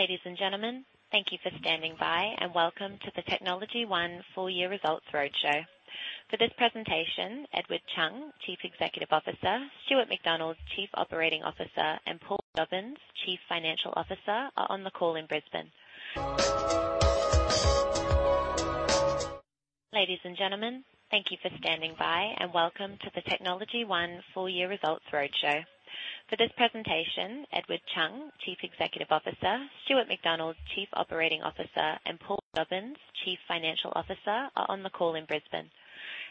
Ladies and gentlemen, thank you for standing by, and welcome to the TechnologyOne Full Year Results Roadshow. For this presentation, Edward Chung, Chief Executive Officer, Stuart MacDonald, Chief Operating Officer, and Paul Jobbins, Chief Financial Officer, are on the call in Brisbane.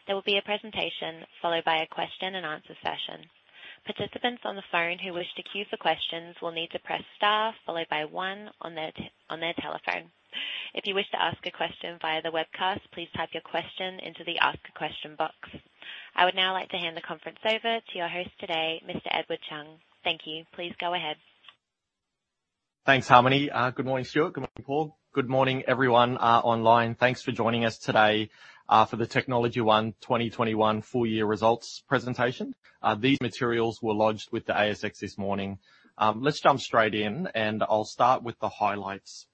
There will be a presentation followed by a question and answer session. Participants on the phone who wish to queue for questions will need to press star followed by one on their telephone. If you wish to ask a question via the webcast, please type your question into the ask a question box. I would now like to hand the conference over to your host today, Mr. Edward Chung. Thank you. Please go ahead. Thanks, Harmony. Good morning, Stuart. Good morning, Paul. Good morning, everyone, online. Thanks for joining us today, for the TechnologyOne 2021 full year results presentation. These materials were lodged with the ASX this morning. Let's jump straight in, and I'll start with the highlights.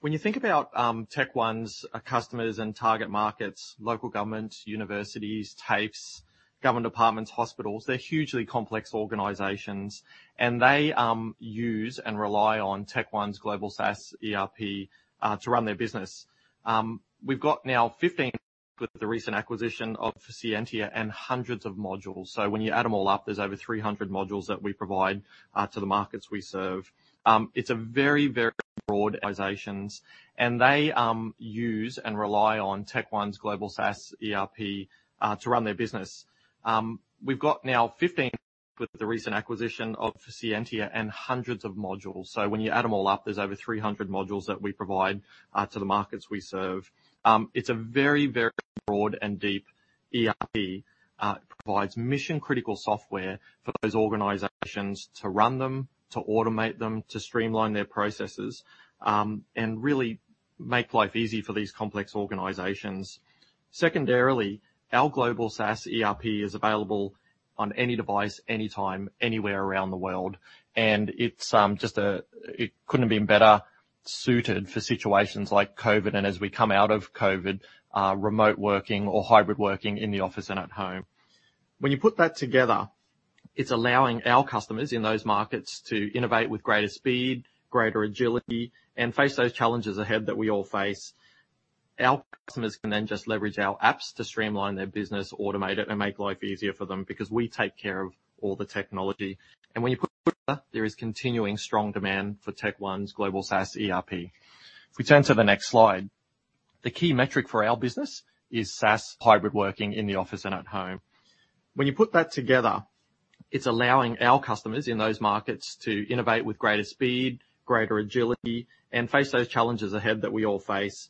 When you think about TechOne's customers and target markets, local governments, universities, TAFEs, government departments, hospitals, they're hugely complex organizations. They use and rely on TechOne's global SaaS ERP to run their business. We've got now 15 with the recent acquisition of Scientia and hundreds of modules. When you add them all up, there's over 300 modules that we provide to the markets we serve. It's a very, very broad organizations, and they use and rely on TechOne's global SaaS ERP to run their business. It's a very, very broad and deep ERP, provides mission-critical software for those organizations to run them, to automate them, to streamline their processes, and really make life easy for these complex organizations. Secondarily, our global SaaS ERP is available on any device, anytime, anywhere around the world. It's just. It couldn't have been better suited for situations like COVID, and as we come out of COVID, remote working or hybrid working in the office and at home. When you put that together, it's allowing our customers in those markets to innovate with greater speed, greater agility, and face those challenges ahead that we all face. Our customers can then just leverage our apps to streamline their business, automate it, and make life easier for them because we take care of all the technology. When you put it together, there is continuing strong demand for TechOne's global SaaS ERP. If we turn to the next slide. The key metric for our business is SaaS. Hybrid working in the office and at home. When you put that together, it's allowing our customers in those markets to innovate with greater speed, greater agility, and face those challenges ahead that we all face.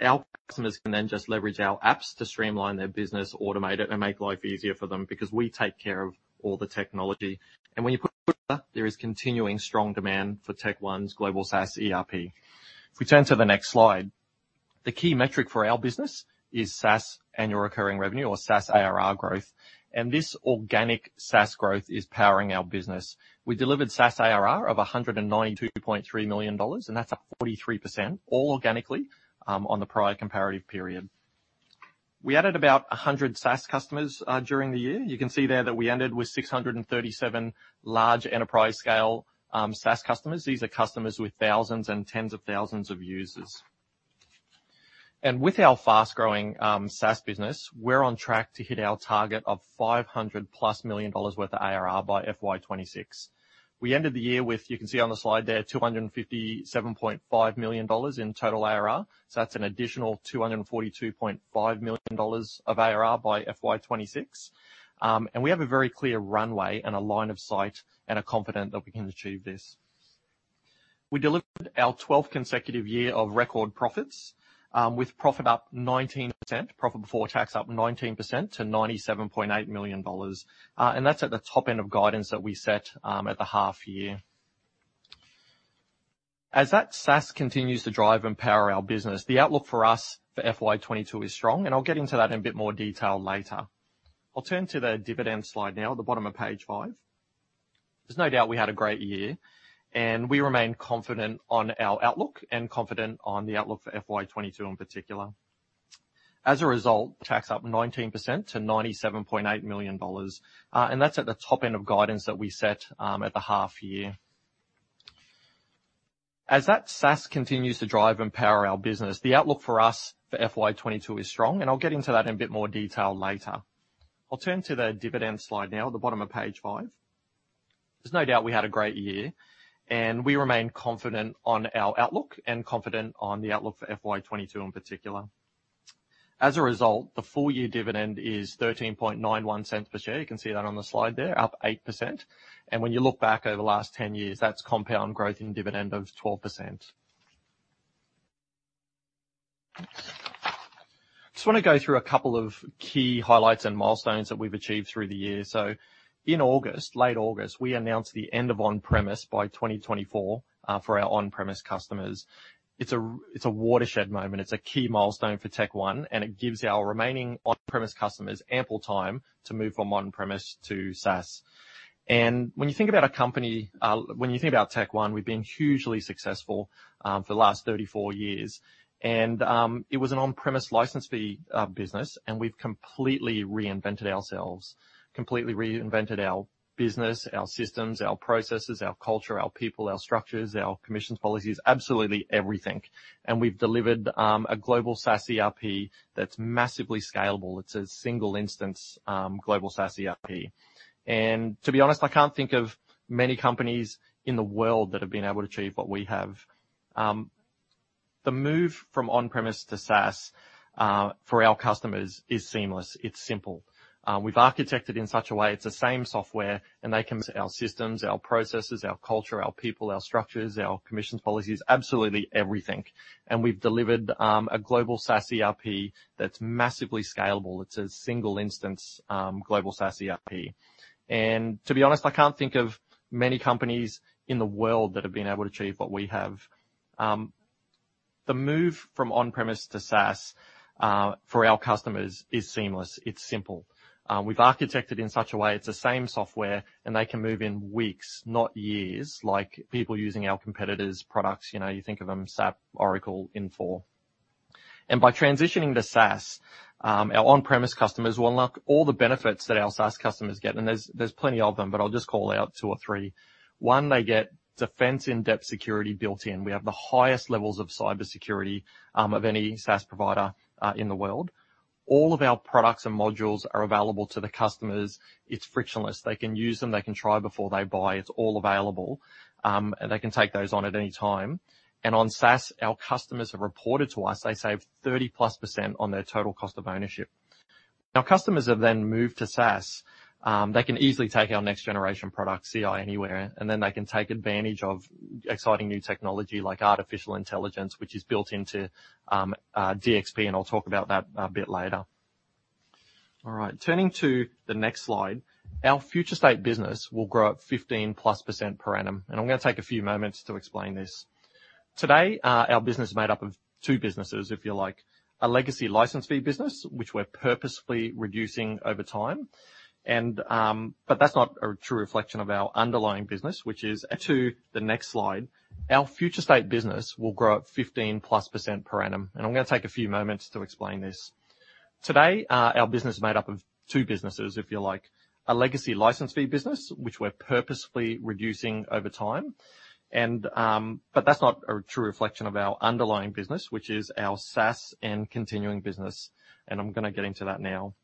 Our customers can then just leverage our apps to streamline their business, automate it, and make life easier for them because we take care of all the technology. When you put it together, there is continuing strong demand for TechOne's global SaaS ERP. If we turn to the next slide. The key metric for our business is SaaS annual recurring revenue or SaaS ARR growth. This organic SaaS growth is powering our business. We delivered SaaS ARR of 192.3 million dollars, and that's up 43%, all organically, on the prior comparative period. We added about 100 SaaS customers during the year. You can see there that we ended with 637 large enterprise scale SaaS customers. These are customers with thousands and tens of thousands of users. With our fast-growing SaaS business, we're on track to hit our target of 500+ million dollars worth of ARR by FY 2026. We ended the year with, you can see on the slide there, 257.5 million dollars in total ARR. That's an additional 242.5 million dollars of ARR by FY 2026. We have a very clear runway and a line of sight and are confident that we can achieve this. We delivered our 12th consecutive year of record profits, with profit up 19%. Profit before tax up 19% to 97.8 million dollars. That's at the top end of guidance that we set at the half year. As that SaaS continues to drive and power our business, the outlook for us for FY 2022 is strong, and I'll get into that in a bit more detail later. I'll turn to the dividend slide now at the bottom of page five. There's no doubt we had a great year, and we remain confident on our outlook and confident on the outlook for FY 2022 in particular. As a result, the tax up 19% to 97.8 million dollars. That's at the top end of guidance that we set at the half year. As that SaaS continues to drive and power our business, the outlook for us for FY 2022 is strong, and I'll get into that in a bit more detail later. I'll turn to the dividend slide now at the bottom of page five. There's no doubt we had a great year, and we remain confident on our outlook and confident on the outlook for FY 2022 in particular. As a result, the full year dividend is 0.1391 per share. You can see that on the slide there, up 8%. When you look back over the last 10 years, that's compound growth in dividend of 12%. Just want to go through a couple of key highlights and milestones that we've achieved through the year. In August, late August, we announced the end of on-premise by 2024 for our on-premise customers. It's a watershed moment. It's a key milestone for TechOne, and it gives our remaining on-premise customers ample time to move from on-premise to SaaS. When you think about a company, when you think about TechOne, we've been hugely successful for the last 34 years. It was an on-premise license fee business, and we've completely reinvented ourselves, completely reinvented our business, our systems, our processes, our culture, our people, our structures, our commissions, policies, absolutely everything. We've delivered a global SaaS ERP that's massively scalable. It's a single instance global SaaS ERP. To be honest, I can't think of many companies in the world that have been able to achieve what we have. The move from on-premise to SaaS for our customers is seamless, it's simple. We've architected in such a way, it's the same software. Our systems, our processes, our culture, our people, our structures, our commissions, policies, absolutely everything. We've delivered a global SaaS ERP that's massively scalable. It's a single instance, global SaaS ERP. To be honest, I can't think of many companies in the world that have been able to achieve what we have. The move from on-premise to SaaS for our customers is seamless, it's simple. We've architected in such a way, it's the same software, and they can move in weeks, not years, like people using our competitors' products. You know, you think of them, SAP, Oracle, Infor. By transitioning to SaaS, our on-premise customers will unlock all the benefits that our SaaS customers get. There's plenty of them, but I'll just call out two or three. One, they get defense in-depth security built in. We have the highest levels of cybersecurity of any SaaS provider in the world. All of our products and modules are available to the customers. It's frictionless. They can use them, they can try before they buy. It's all available, and they can take those on at any time. On SaaS, our customers have reported to us they save 30% on their total cost of ownership. Our customers have then moved to SaaS. They can easily take our next generation product, Ci Anywhere, and then they can take advantage of exciting new technology like artificial intelligence, which is built into DXP, and I'll talk about that a bit later. All right, turning to the next slide. Our future state business will grow at 15%+ per annum, and I'm gonna take a few moments to explain this. Today, our business is made up of two businesses, if you like. A legacy license fee business, which we're purposefully reducing over time. That's not a true reflection of our underlying business, which is our SaaS and continuing business, and I'm gonna get into that now.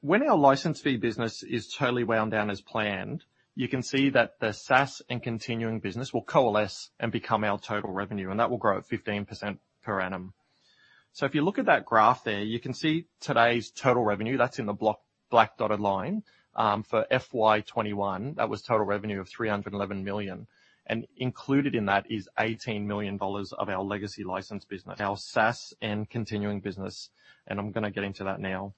When our license fee business is totally wound down as planned, you can see that the SaaS and continuing business will coalesce and become our total revenue, and that will grow at 15% per annum. If you look at that graph there, you can see today's total revenue. That's the black dotted line. For FY 2021, that was total revenue of 311 million, and included in that is 18 million dollars of our legacy license business. Our SaaS and continuing business, and I'm gonna get into that now.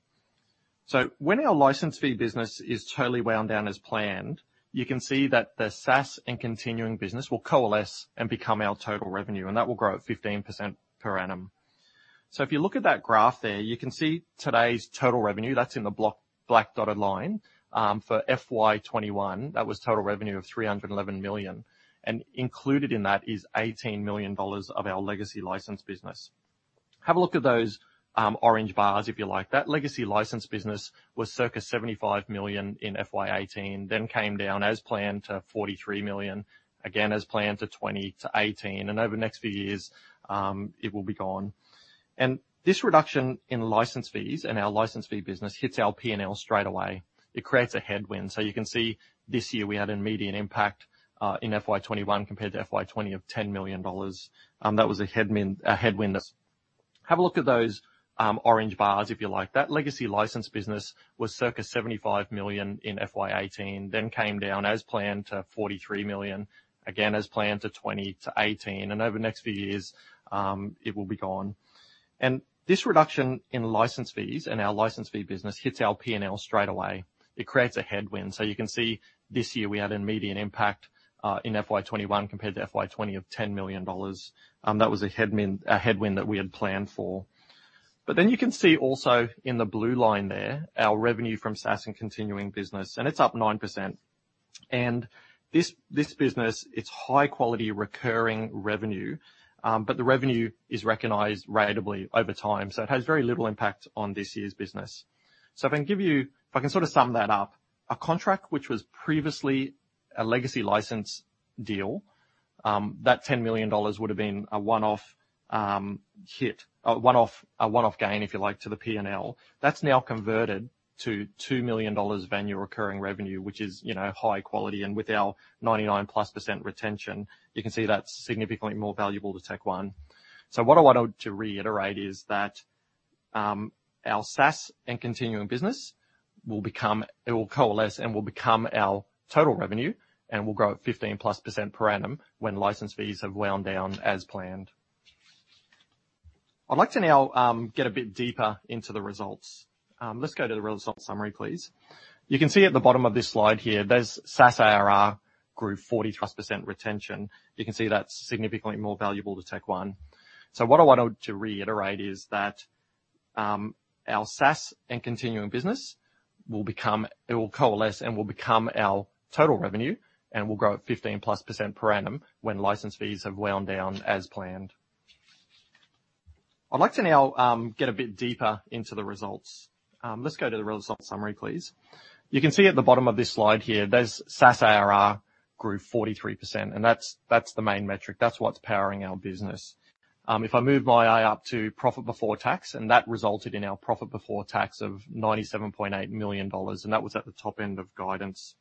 Have a look at those orange bars, if you like. That legacy license business was circa 75 million in FY 2018, then came down as planned to 43 million, again as planned to 22 million to 18 million, and over the next few years, it will be gone. This reduction in license fees and our license fee business hits our P&L straight away. It creates a headwind. You can see this year, we had an immediate impact in FY 2021 compared to FY 2020 of 10 million dollars. That was a headwind that's. It creates a headwind. You can see this year, we had an immediate impact in FY 2021 compared to FY 2020 of 10 million dollars. That was a headwind that we had planned for. You can see also in the blue line there, our revenue from SaaS and continuing business, and it's up 9%. This business, it's high quality recurring revenue, but the revenue is recognized ratably over time, so it has very little impact on this year's business. I can sort of sum that up, a contract which was previously a legacy license deal, that 10 million dollars would have been a one-off hit, a one-off gain, if you like, to the P&L. That's now converted to 2 million dollars annual recurring revenue, which is, you know, high quality, and with our 99%+ retention, you can see that's significantly more valuable to TechOne. What I wanted to reiterate is that our SaaS and continuing business will become. It will coalesce and will become our total revenue, and will grow at 15%+ per annum when license fees have wound down as planned. I'd like to now get a bit deeper into the results. Let's go to the results summary, please. You can see at the bottom of this slide here, the SaaS ARR grew 43%. Retention. You can see that's significantly more valuable to TechnologyOne. You can see at the bottom of this slide here, there's SaaS ARR grew 43%. That's the main metric. That's what's powering our business. If I move my eye up to profit before tax, and that resulted in our profit before tax of 97.8 million dollars, and that was at the top end of guidance.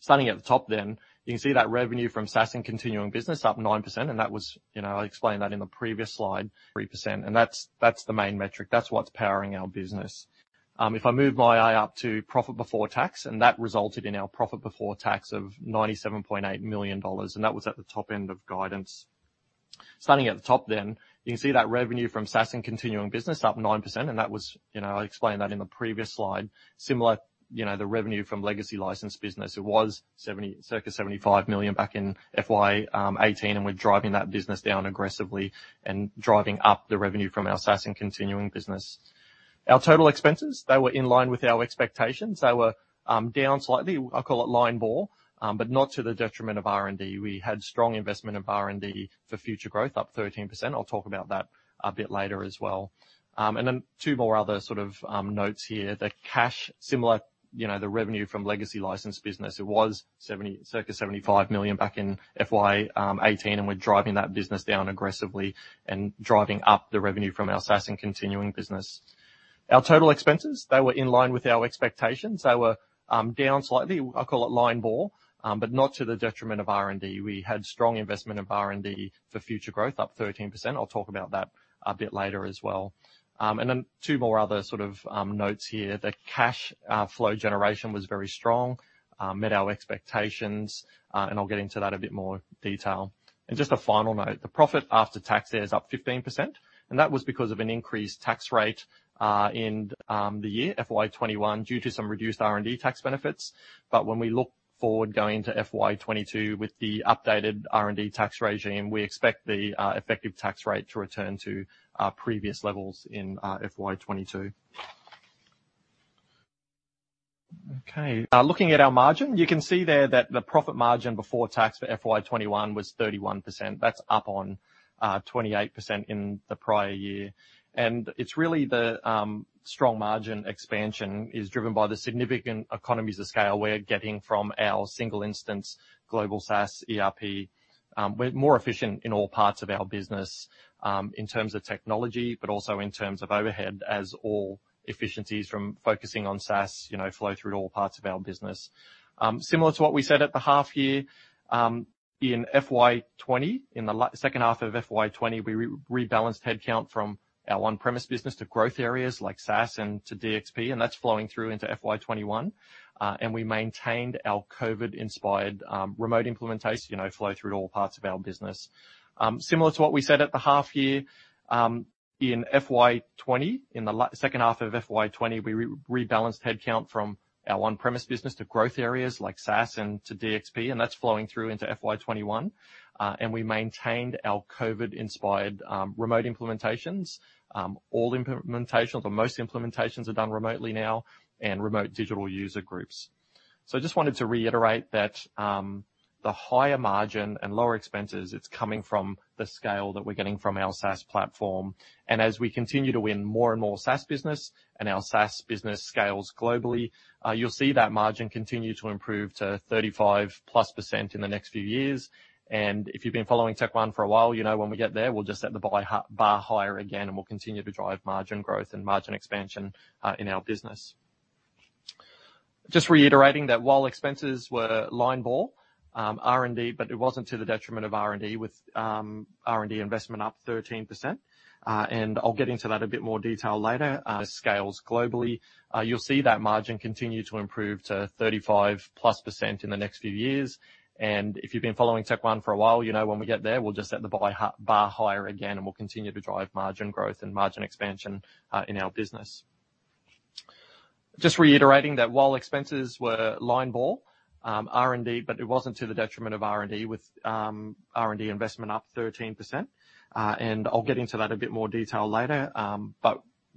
Starting at the top then, you can see that revenue from SaaS and continuing business up 9%, and that was, you know, I explained that in the previous slide. 3%. That's the main metric. That's what's powering our business. If I move my eye up to profit before tax, and that resulted in our profit before tax of 97.8 million dollars, and that was at the top end of guidance. Starting at the top then, you can see that revenue from SaaS and continuing business up 9%, and that was, you know, I explained that in the previous slide. Similar, you know, the revenue from legacy license business. It was circa 75 million back in FY 2018, and we're driving that business down aggressively and driving up the revenue from our SaaS and continuing business. Our total expenses, they were in line with our expectations. They were down slightly. I call it line ball, but not to the detriment of R&D. We had strong investment of R&D for future growth, up 13%. I'll talk about that a bit later as well. And then two more other sort of notes here. The cash flow generation was very strong and met our expectations, and I'll get into that a bit more detail. Just a final note, the profit after tax there is up 15%, and that was because of an increased tax rate in the year, FY 2021, due to some reduced R&D tax benefits. When we look forward going to FY 2022 with the updated R&D tax regime, we expect the effective tax rate to return to our previous levels in FY 2022. Okay. looking at our margin, you can see there that the profit margin before tax for FY 2021 was 31%. That's up on 28% in the prior year. it's really the strong margin expansion is driven by the significant economies of scale we're getting from our single instance global SaaS ERP. we're more efficient in all parts of our business in terms of technology, but also in terms of overhead, as all efficiencies from focusing on SaaS, you know, flow through to all parts of our business. Similar to what we said at the half year in FY 2020, in the second half of FY 2020, we rebalanced headcount from our on-premises business to growth areas like SaaS and to DXP, and that's flowing through into FY 2021. We maintained our COVID-inspired remote implementation, you know, flow through to all parts of our business. Similar to what we said at the half year in FY 2020, in the second half of FY 2020, we rebalanced headcount from our on-premises business to growth areas like SaaS and to DXP, and that's flowing through into FY 2021. We maintained our COVID-inspired remote implementations. All implementations or most implementations are done remotely now, and remote digital user groups. I just wanted to reiterate that, the higher margin and lower expenses, it's coming from the scale that we're getting from our SaaS platform. As we continue to win more and more SaaS business and our SaaS business scales globally, you'll see that margin continue to improve to 35%+ in the next few years. If you've been following TechOne for a while, you know when we get there, we'll just set the bar higher again, and we'll continue to drive margin growth and margin expansion, in our business. Just reiterating that while expenses were line ball R&D, but it wasn't to the detriment of R&D, with R&D investment up 13%. I'll get into that a bit more detail later.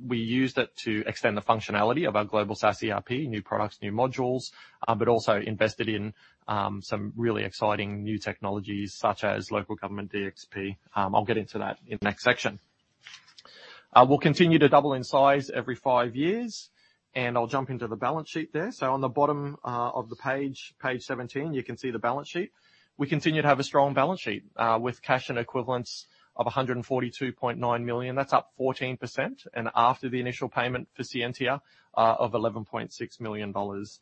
We used it to extend the functionality of our global SaaS ERP, new products, new modules, but also invested in some really exciting new technologies such as local government DXP. I'll get into that in the next section. We'll continue to double in size every five years. I'll jump into the balance sheet there. On the bottom of the page 17, you can see the balance sheet. We continue to have a strong balance sheet with cash and equivalents of 142.9 million. That's up 14%. After the initial payment for Scientia of 11.6 million dollars.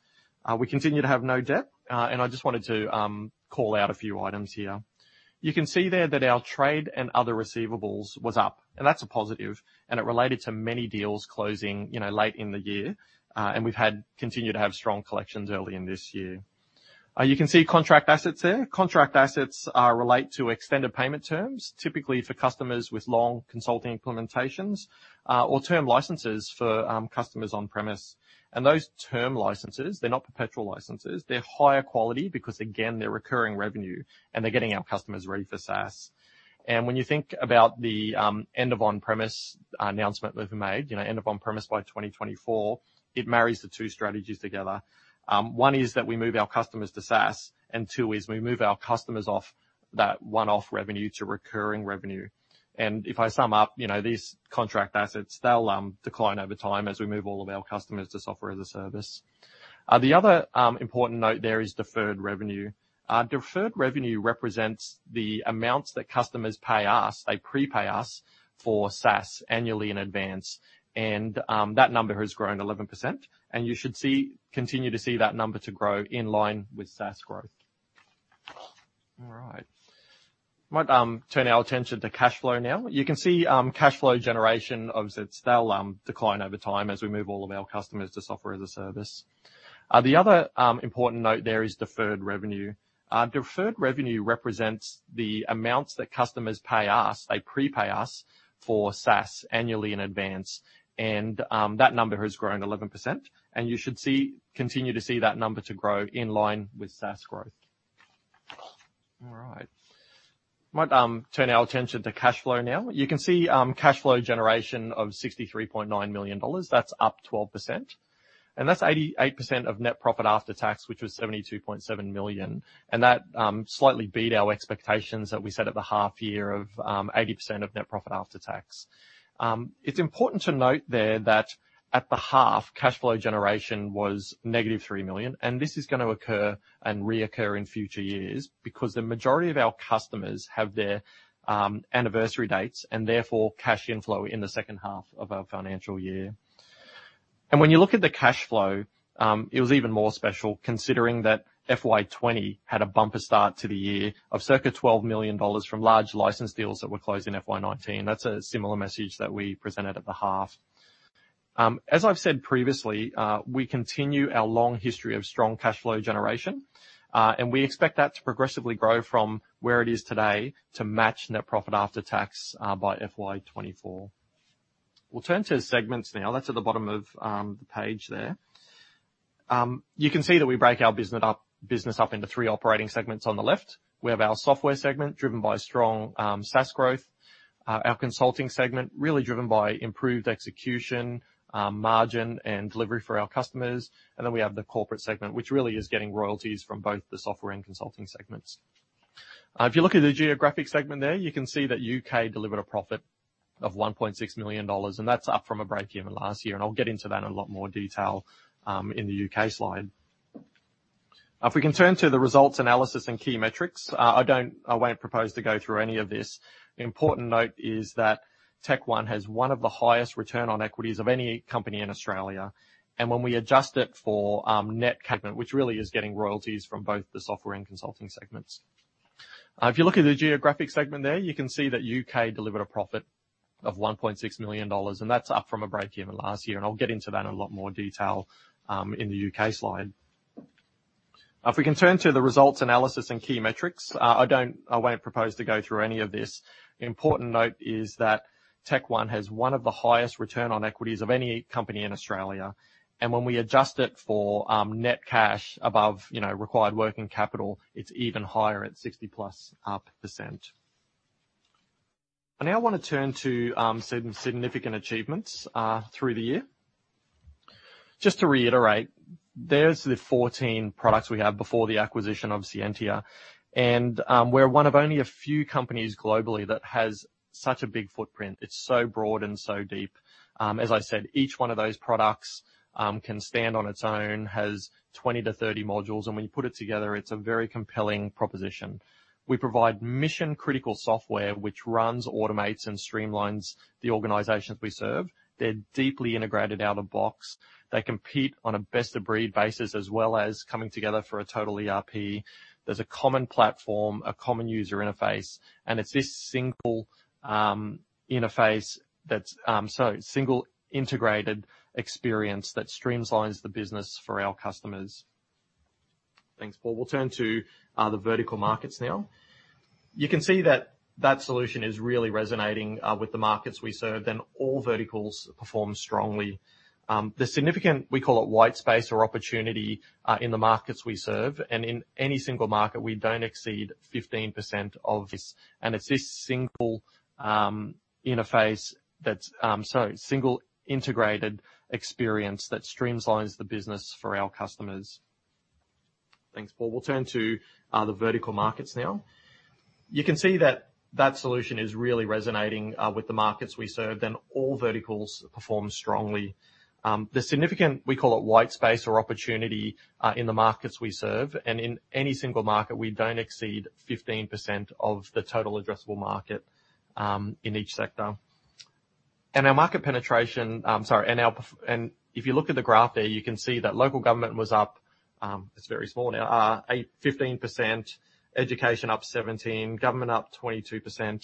We continue to have no debt. I just wanted to call out a few items here. You can see there that our trade and other receivables was up, and that's a positive, and it related to many deals closing, you know, late in the year. We continue to have strong collections early in this year. You can see contract assets there. Contract assets relate to extended payment terms, typically for customers with long consulting implementations, or term licenses for customers on-premise. Those term licenses, they're not perpetual licenses. They're higher quality because, again, they're recurring revenue, and they're getting our customers ready for SaaS. When you think about the end of on-premise announcement we've made, you know, end of on-premise by 2024, it marries the two strategies together. One is that we move our customers to SaaS, and two is we move our customers off that one-off revenue to recurring revenue. If I sum up, you know, these contract assets, they'll decline over time as we move all of our customers to software as a service. The other important note there is deferred revenue. Deferred revenue represents the amounts that customers pay us. They prepay us for SaaS annually in advance. That number has grown 11%. You should continue to see that number to grow in line with SaaS growth. All right. Might turn our attention to cash flow now. You can see cash flow generation, obviously, they'll decline over time as we move all of our customers to software as a service. The other important note there is deferred revenue. Deferred revenue represents the amounts that customers pay us. You can see cash flow generation of AUD 63.9 million. That's up 12%. That's 88% of net profit after tax, which was 72.7 million. That slightly beat our expectations that we set at the half year of 80% of net profit after tax. It's important to note there that at the half, cash flow generation was -3 million, and this is gonna occur and reoccur in future years because the majority of our customers have their anniversary dates and therefore cash inflow in the second half of our financial year. When you look at the cash flow, it was even more special considering that FY 2020 had a bumper start to the year of circa 12 million dollars from large license deals that were closed in FY 2019. That's a similar message that we presented at the half. As I've said previously, we continue our long history of strong cash flow generation, and we expect that to progressively grow from where it is today to match net profit after tax by FY 2024. We'll turn to segments now. That's at the bottom of the page there. You can see that we break our business up into three operating segments on the left. We have our Software segment driven by strong SaaS growth. Our Consulting segment really driven by improved execution, margin, and delivery for our customers. We have the Corporate segment, which really is getting royalties from both the Software and Consulting segments. If you look at the geographic segment there, you can see that U.K. delivered a profit of 1.6 million dollars, and that's up from a break-even last year. I'll get into that in a lot more detail in the U.K. slide. If we can turn to the results analysis and key metrics. I won't propose to go through any of this. The important note is that TechOne has one of the highest return on equity of any company in Australia. When we adjust it for net cash above, you know, required working capital, it's even higher at 60%+. I now want to turn to some significant achievements through the year. Just to reiterate, there's the 14 products we have before the acquisition of Scientia. We're one of only a few companies globally that has such a big footprint. It's so broad and so deep. As I said, each one of those products can stand on its own, has 20-30 modules, and when you put it together, it's a very compelling proposition. We provide mission-critical software which runs, automates, and streamlines the organizations we serve. They're deeply integrated out-of-box. They compete on a best-of-breed basis, as well as coming together for a total ERP. There's a common platform, a common user interface. It's this single integrated experience that streamlines the business for our customers. Thanks, Paul. We'll turn to the vertical markets now. You can see that that solution is really resonating with the markets we serve, and all verticals perform strongly. The significant white space or opportunity in the markets we serve, and in any single market, we don't exceed 15% of the total addressable market in each sector. Our market penetration. If you look at the graph there, you can see that local government was up. It's very small now, 8%-15%. Education up 17%. Government up 22%.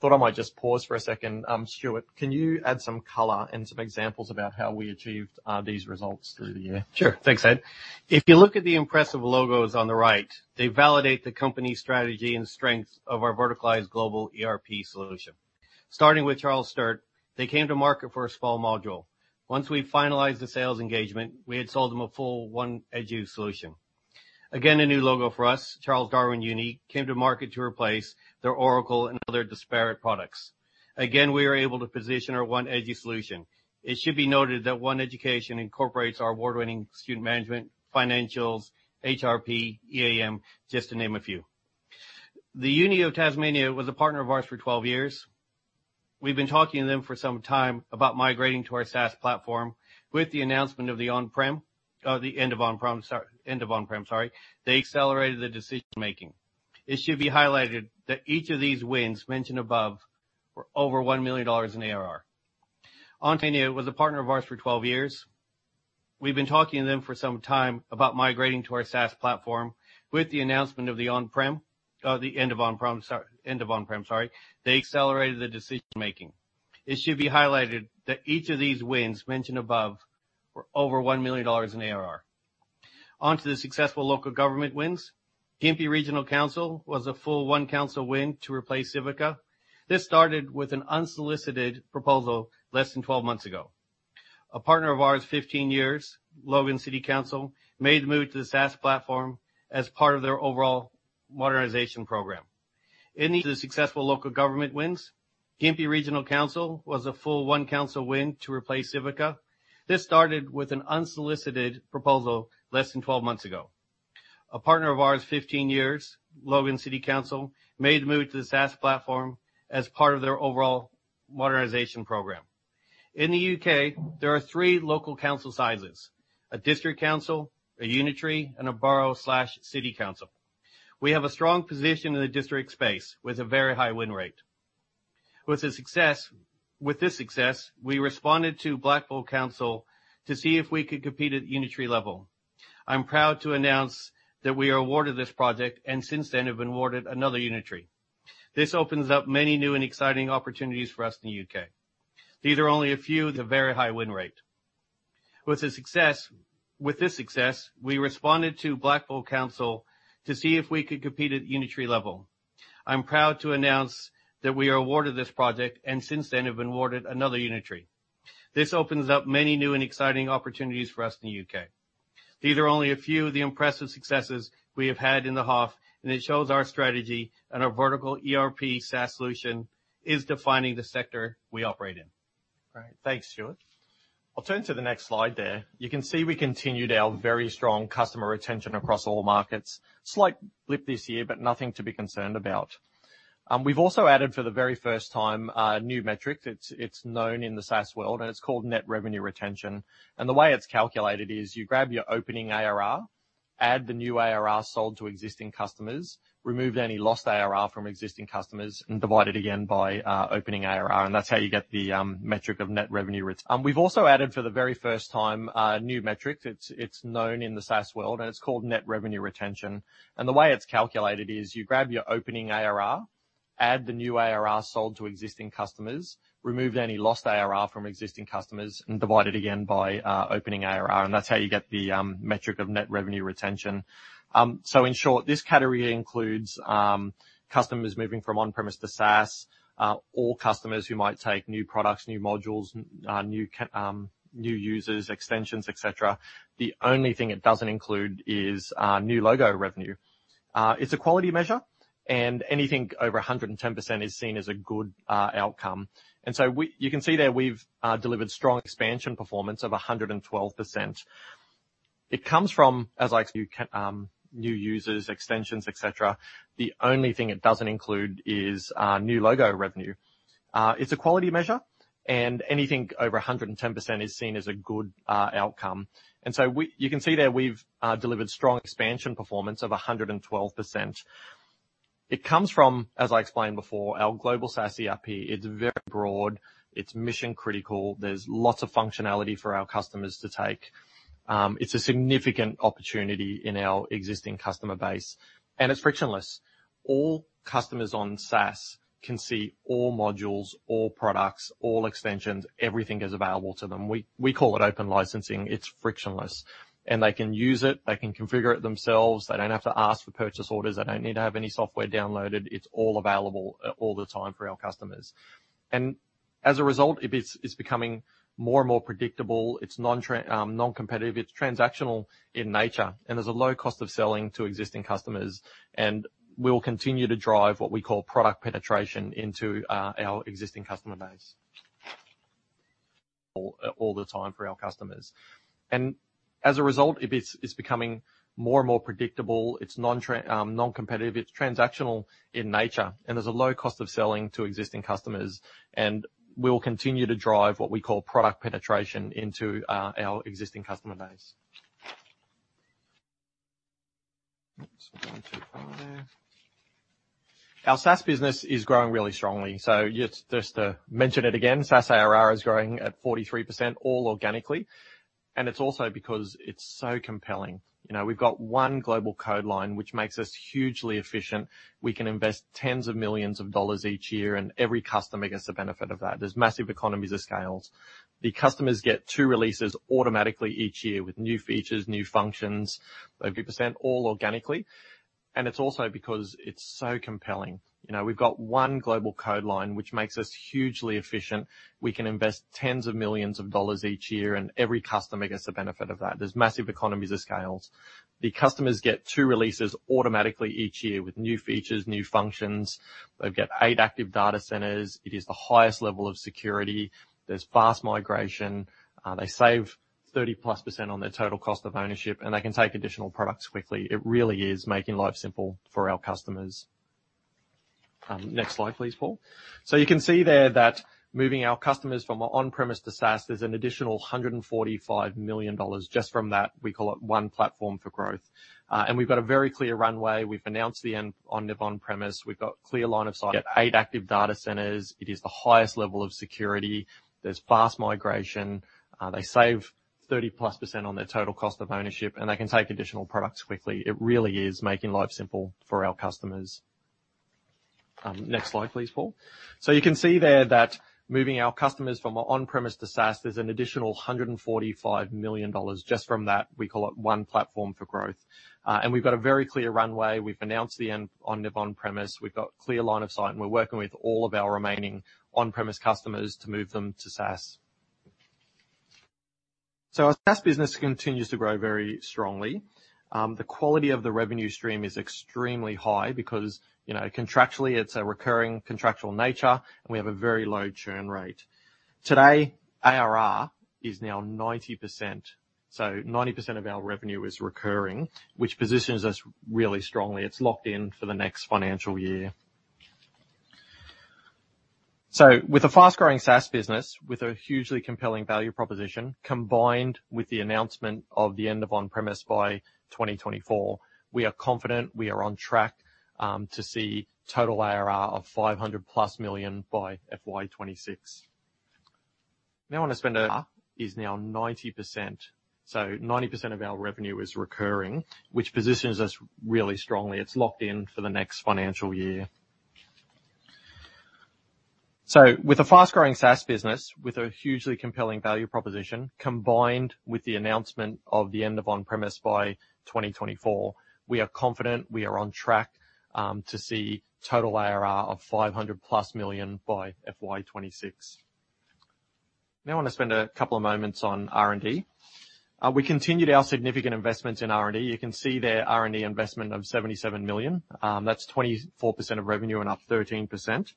Thought I might just pause for a second. Stuart, can you add some color and some examples about how we achieved these results through the year? Sure. Thanks, Ed. If you look at the impressive logos on the right, they validate the company's strategy and strength of our verticalized global ERP solution. Starting with Charles Sturt, they came to market for a small module. Once we finalized the sales engagement, we had sold them a full OneEducation solution. Again, a new logo for us, Charles Darwin University, came to market to replace their Oracle and other disparate products. Again, we were able to position our OneEducation solution. It should be noted that OneEducation incorporates our award-winning Student Management, Financials, HRP, EAM, just to name a few. The University of Tasmania was a partner of ours for 12 years. We've been talking to them for some time about migrating to our SaaS platform. With the announcement of the end of on-prem, they accelerated the decision-making. It should be highlighted that each of these wins mentioned above were over AUD 1 million in ARR. On to the successful local government wins. Gympie Regional Council was a full OneCouncil win to replace Civica. This started with an unsolicited proposal less than 12 months ago. A partner of ours, 15 years, Logan City Council, made the move to the SaaS platform as part of their overall modernization program. In the U.K., there are three local council sizes: a district council, a unitary, and a borough/city council. We have a strong position in the district space with a very high win rate. With this success, we responded to Blackpool Council to see if we could compete at the unitary level. I'm proud to announce that we are awarded this project, and since then have been awarded another unitary. This opens up many new and exciting opportunities for us in the U.K. These are only a few of the very high win rate. These are only a few of the impressive successes we have had in the half, and it shows our strategy and our vertical ERP SaaS solution is defining the sector we operate in. Great. Thanks Stuart. I'll turn to the next slide there. You can see we continued our very strong customer retention across all markets. Slight blip this year, but nothing to be concerned about. We've also added for the very first time a new metric. It's known in the SaaS world, and it's called net revenue retention. The way it's calculated is you grab your opening ARR, add the new ARR sold to existing customers, remove any lost ARR from existing customers, and divide it again by opening ARR, and that's how you get the metric of net revenue retention. In short, this category includes customers moving from on-premise to SaaS, or customers who might take new products, new modules, new users, extensions, et cetera. The only thing it doesn't include is new logo revenue. It's a quality measure, and anything over 110% is seen as a good outcome. You can see there, we've delivered strong expansion performance of 112%. It comes from new users, extensions, et cetera. The only thing it doesn't include is new logo revenue. It's a quality measure, and anything over 110% is seen as a good outcome. You can see there, we've delivered strong expansion performance of 112%. It comes from, as I explained before, our global SaaS ERP. It's very broad. It's mission-critical. There's lots of functionality for our customers to take. It's a significant opportunity in our existing customer base, and it's frictionless. All customers on SaaS can see all modules, all products, all extensions. Everything is available to them. We call it open licensing. It's frictionless. They can use it. They can configure it themselves. They don't have to ask for purchase orders. They don't need to have any software downloaded. It's all available all the time for our customers. As a result, it is, it's becoming more and more predictable. It's non-competitive. It's transactional in nature, and there's a low cost of selling to existing customers, and we will continue to drive what we call product penetration into our existing customer base all the time for our customers. Our SaaS business is growing really strongly. Just to mention it again, SaaS ARR is growing at 43%, all organically. It's also because it's so compelling. You know, we've got one global code line, which makes us hugely efficient. We can invest 10 millions dollars each year, and every customer gets the benefit of that. There's massive economies of scale. The customers get two releases automatically each year with new features, new functions. 30% all organically. It's also because it's so compelling. You know, we've got one global code line, which makes us hugely efficient. They've got eight active data centers. It is the highest level of security. There's fast migration. They save 30%+ on their total cost of ownership, and they can take additional products quickly. It really is making life simple for our customers. Next slide, please, Paul. You can see there that moving our customers from on-premise to SaaS, there's an additional 145 million dollars just from that. We call it one platform for growth. We've got a very clear runway. We've announced the end of the on-premise. We've got clear line of sight. You can see there that moving our customers from on-premise to SaaS, there's an additional 145 million dollars just from that. We call it one platform for growth. We've got a very clear runway. We've announced the end of the on-premise. We've got clear line of sight, and we're working with all of our remaining on-premise customers to move them to SaaS. Our SaaS business continues to grow very strongly. The quality of the revenue stream is extremely high because, you know, contractually, it's a recurring contractual nature, and we have a very low churn rate. Today, ARR is now 90%. 90% of our revenue is recurring, which positions us really strongly. It's locked in for the next financial year. With a fast-growing SaaS business, with a hugely compelling value proposition, combined with the announcement of the end of on-premise by 2024, we are confident we are on track to see total ARR of 500+ million by FY 2026. It's locked in for the next financial year. With a fast-growing SaaS business, with a hugely compelling value proposition, combined with the announcement of the end of on-premise by 2024, we are confident we are on track to see total ARR of 500+ million by FY 2026. Now I wanna spend a couple of moments on R&D. We continued our significant investments in R&D. You can see there R&D investment of 77 million. That's 24% of revenue and up 13%.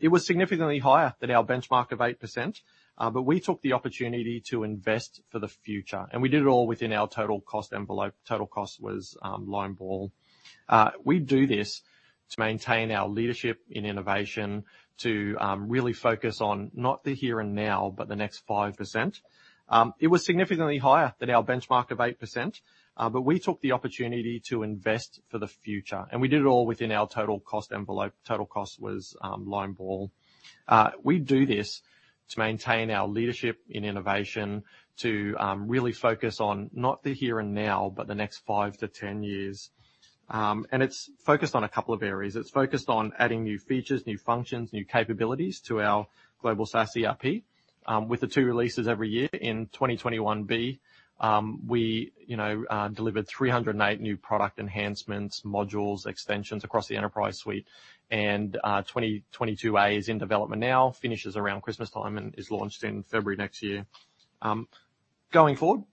It was significantly higher than our benchmark of 8%, but we took the opportunity to invest for the future, and we did it all within our total cost envelope. Total cost was line ball. We do this to maintain our leadership in innovation to really focus on not the here and now, but the next 5%. It was significantly higher than our benchmark of 8%, but we took the opportunity to invest for the future, and we did it all within our total cost envelope. Total cost was line ball. We do this to maintain our leadership in innovation to really focus on not the here and now, but the next five to 10 years. It's focused on a couple of areas. It's focused on adding new features, new functions, new capabilities to our global SaaS ERP with the two releases every year. In 2021B, you know, we delivered 308 new product enhancements, modules, extensions across the enterprise suite. 2022A is in development now, finishes around Christmas time and is launched in February next year. Going forward,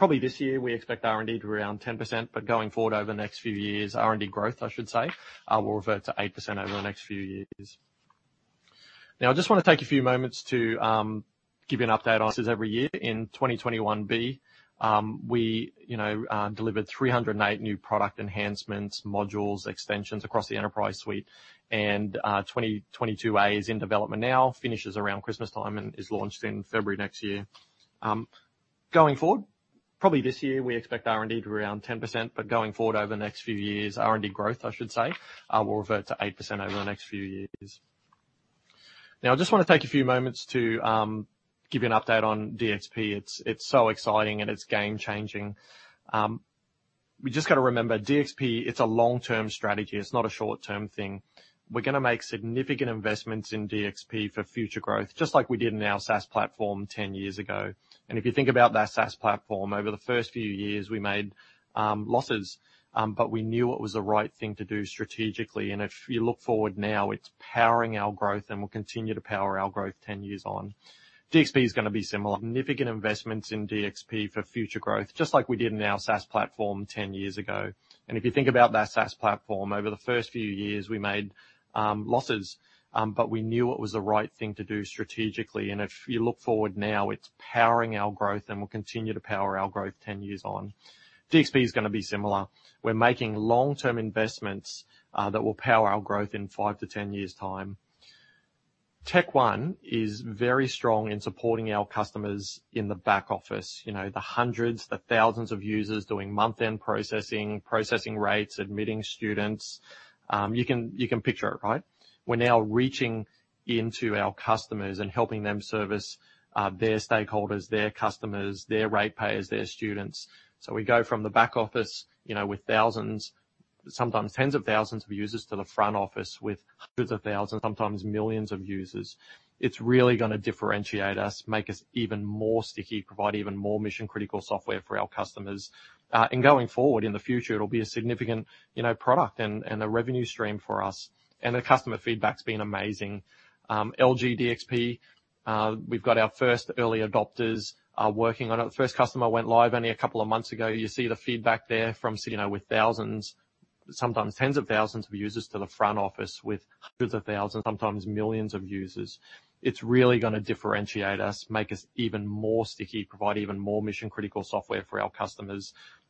probably this year, we expect R&D to be around 10%, but going forward over the next few years, R&D growth, I should say, will revert to 8% over the next few years. Now, I just wanna take a few moments to give you an update on DXP. It's so exciting and it's game-changing. We just gotta remember, DXP, it's a long-term strategy. It's not a short-term thing. We're gonna make significant investments in DXP for future growth, just like we did in our SaaS platform 10 years ago. If you think about that SaaS platform, over the first few years, we made losses, but we knew what was the right thing to do strategically. If you look forward now, it's powering our growth, and will continue to power our growth 10 years on. DXP is gonna be similar. We're making long-term investments that will power our growth in five to 10 years' time. TechOne is very strong in supporting our customers in the back office. You know, the 100, the 1,000 Of users doing month-end processing rates, admitting students. You can picture it, right? We're now reaching into our customers and helping them service their stakeholders, their customers, their rate payers, their students. We go from the back office, you know, with 1,000, sometimes 10,000 of users to the front office with 100,000, sometimes millions of users. It's really gonna differentiate us, make us even more sticky, provide even more mission-critical software for our customers. And going forward in the future, it'll be a significant, you know, product and a revenue stream for us. The customer feedback's been amazing. LG DXP, we've got our first early adopters are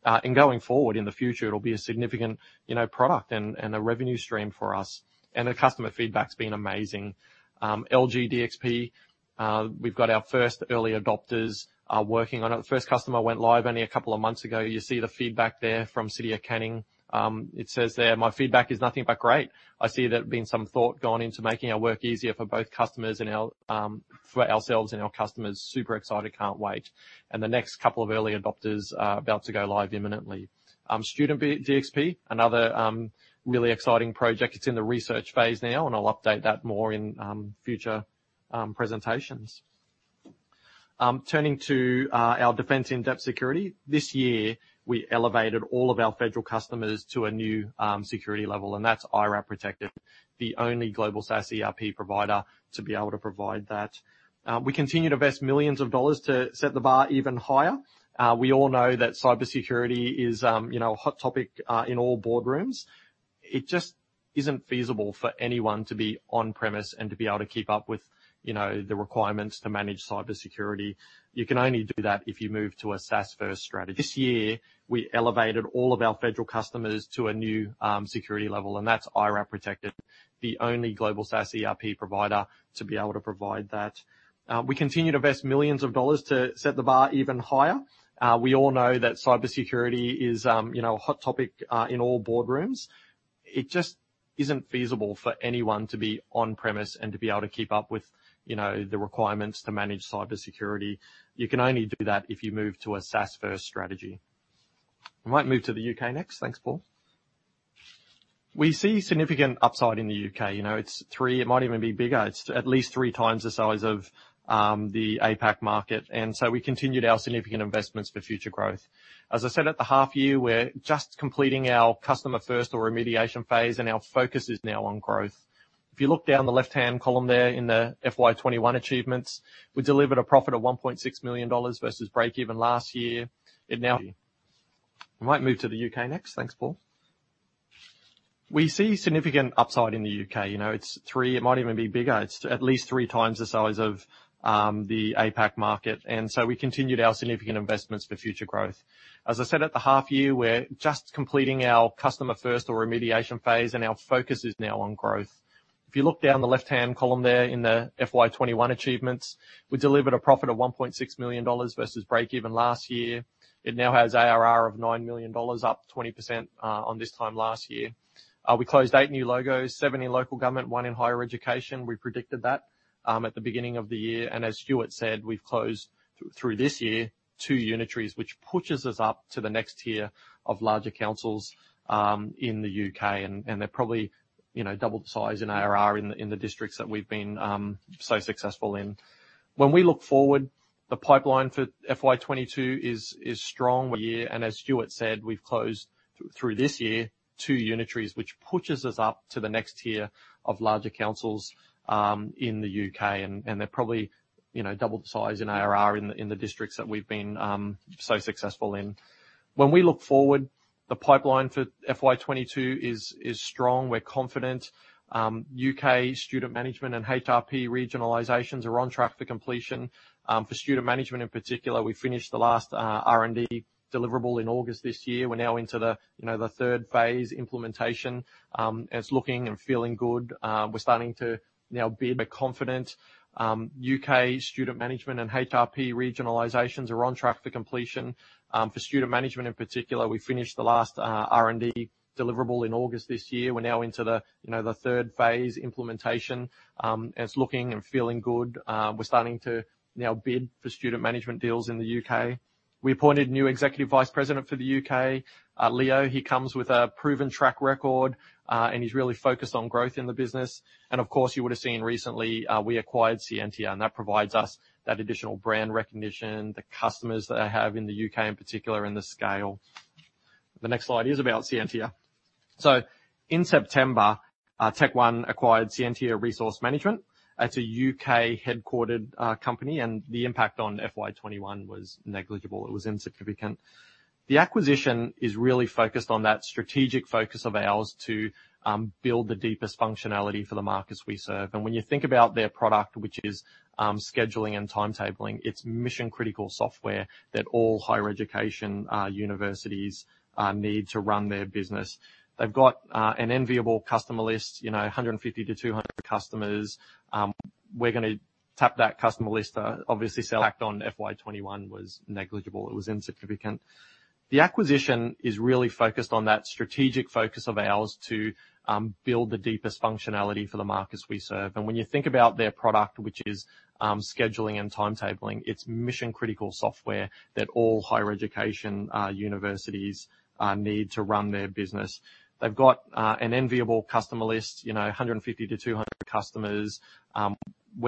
working on it. The first customer went live only a couple of months ago. You see the feedback there from City of Canning. It says there, "My feedback is nothing but great. I see there's been some thought gone into making our work easier for both customers and ourselves and our customers. Super excited. Can't wait." The next couple of early adopters are about to go live imminently. Student DXP, another really exciting project. It's in the research phase now, and I'll update that more in future presentations. Turning to our defense-in-depth security. This year, we elevated all of our federal customers to a new security level, and that's IRAP Protected, the only global SaaS ERP provider to be able to provide that. We continue to invest 1 millions dollars to set the bar even higher. We all know that cybersecurity is you know, a hot topic in all boardrooms. It just isn't feasible for anyone to be on-premise and to be able to keep up with you know, the requirements to manage cybersecurity. You can only do that if you move to a SaaS-first strategy. We might move to the U.K. next. Thanks, Paul. We see significant upside in the U.K. You know, it's three. It might even be bigger. It's at least three times the size of the APAC market. We continued our significant investments for future growth. As I said at the half year, we're just completing our customer-first or remediation phase, and our focus is now on growth. If you look down the left-hand column there in the FY 2021 achievements, we delivered a profit of 1.6 million dollars versus break even last year. It now has ARR of AUD 9 million, up 20% on this time last year. We closed eight new logos, seven in local government, one in higher education. We predicted that at the beginning of the year. As Stuart said, we've closed through this year two unitaries, which pushes us up to the next tier of larger councils in the U.K. They're probably, you know, double the size in ARR in the districts that we've been so successful in. When we look forward, the pipeline for FY 2022 is strong. We're confident U.K. Student Management and HRP regionalizations are on track for completion. For Student Management in particular, we finished the last R&D deliverable in August this year. We're now into the, you know, the third phase implementation. It's looking and feeling good. We're starting to now bid for Student Management deals in the U.K. We appointed a new Executive Vice President for the U.K., Leo. He comes with a proven track record, and he's really focused on growth in the business. Of course, you would have seen recently, we acquired Scientia, and that provides us that additional brand recognition, the customers that I have in the U.K. in particular, and the scale. The next slide is about Scientia. In September, TechOne acquired Scientia Resource Management. It's a U.K. headquartered company, and the impact on FY 2021 was negligible. It was insignificant. The acquisition is really focused on that strategic focus of ours to build the deepest functionality for the markets we serve. When you think about their product, which is scheduling and timetabling, it's mission-critical software that all higher education universities need to run their business. They've got an enviable customer list, you know, 150-200 customers. We're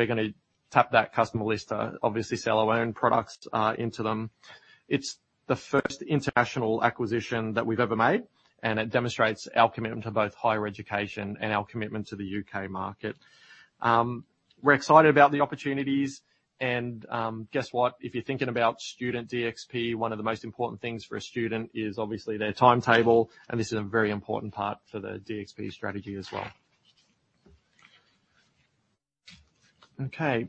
gonna tap that customer list to obviously sell our own products into them. It's the first international acquisition that we've ever made, and it demonstrates our commitment to both higher education and our commitment to the U.K. market. We're excited about the opportunities and guess what? If you're thinking about Student DXP, one of the most important things for a student is obviously their timetable, and this is a very important part for the DXP strategy as well. Okay.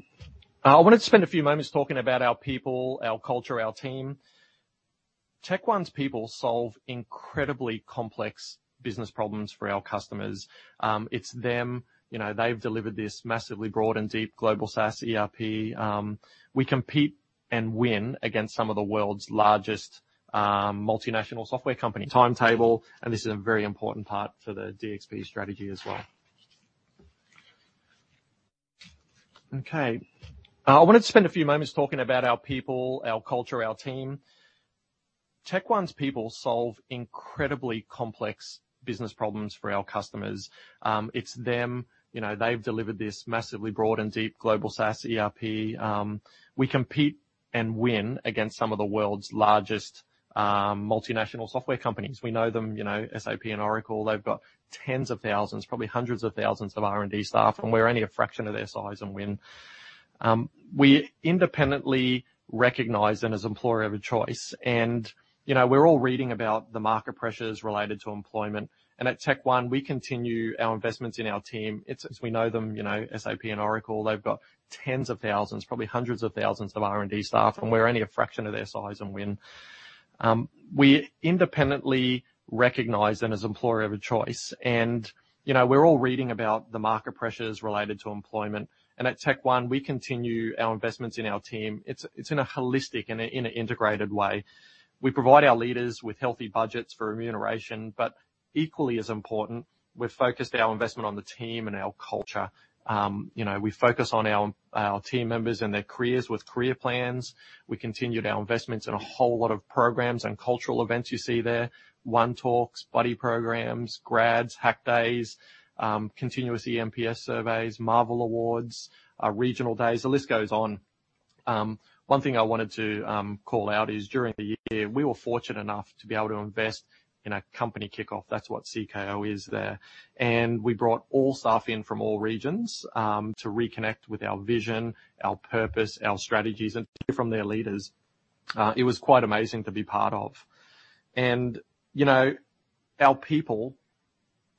I wanted to spend a few moments talking about our people, our culture, our team. TechOne's people solve incredibly complex business problems for our customers. It's them. You know, they've delivered this massively broad and deep global SaaS ERP. We compete and win against some of the world's largest multinational software companies. Timetabling, and this is a very important part for the DXP strategy as well. We know them, you know, SAP and Oracle. They've got tens of thousands, probably hundreds of thousands of R&D staff, and we're only a fraction of their size and win. We independently recognize them as employer of choice and, you know, we're all reading about the market pressures related to employment. At TechOne, we continue our investments in our team. It's in a holistic and integrated way. We provide our leaders with healthy budgets for remuneration, but equally as important, we've focused our investment on the team and our culture. You know, we focus on our team members and their careers with career plans. We continued our investments in a whole lot of programs and cultural events you see there. One Talks, Buddy Programs, Grads, Hack Days, Continuous eNPS Surveys, MARVEL Awards, Regional ays. The list goes on. One thing I wanted to call out is during the year, we were fortunate enough to be able to invest in a company kickoff. That's what CKO is there. We brought all staff in from all regions to reconnect with our vision, our purpose, our strategies, and hear from their leaders. It was quite amazing to be part of. You know, our people,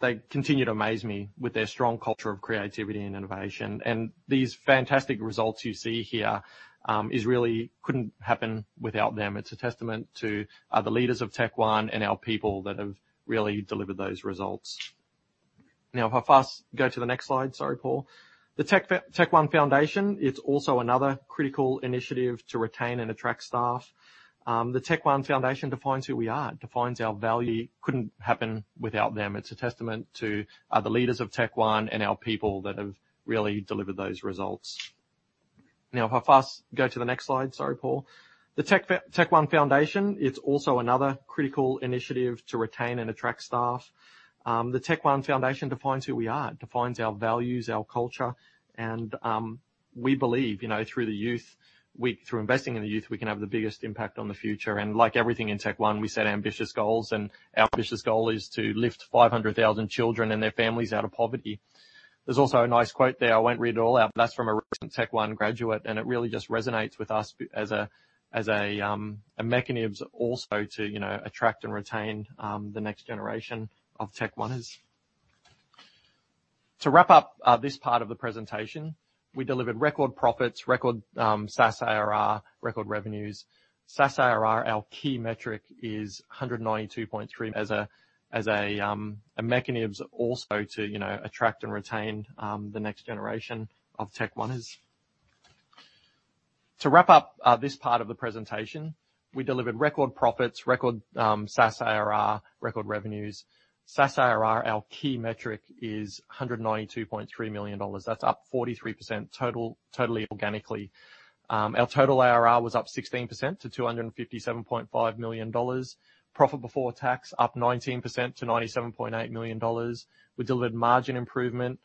they continue to amaze me with their strong culture of creativity and innovation. These fantastic results you see here is really couldn't happen without them. It's a testament to the leaders of TechOne and our people that have really delivered those results. Now, if I fast go to the next slide. Sorry, Paul. The TechOne Foundation, it's also another critical initiative to retain and attract staff. The TechOne Foundation defines who we are, it defines our value. Couldn't happen without them. It's a testament to the leaders of TechOne and our people that have really delivered those results. Now, if I fast go to the next slide. Sorry, Paul. The TechOne Foundation, it's also another critical initiative to retain and attract staff. The TechOne Foundation defines who we are, it defines our values, our culture, and, we believe, you know, through the youth, through investing in the youth, we can have the biggest impact on the future. Like everything in TechOne, we set ambitious goals, and our ambitious goal is to lift 500,000 children and their families out of poverty. There's also a nice quote there. I won't read it all out, but that's from a recent TechOne graduate, and it really just resonates with us as a mechanism also to, you know, attract and retain, the next generation of TechOners. To wrap up, this part of the presentation, we delivered record profits, record SaaS ARR, record revenues. SaaS ARR, our key metric, is 192.3 million. As a mechanism also to, you know, attract and retain the next generation of TechOners. To wrap up this part of the presentation, we delivered record profits, record SaaS ARR, record revenues. That's up 43% total, totally organically. Our total ARR was up 16% to 257.5 million dollars. Profit before tax up 19% to 97.8 million dollars. We delivered margin improvement.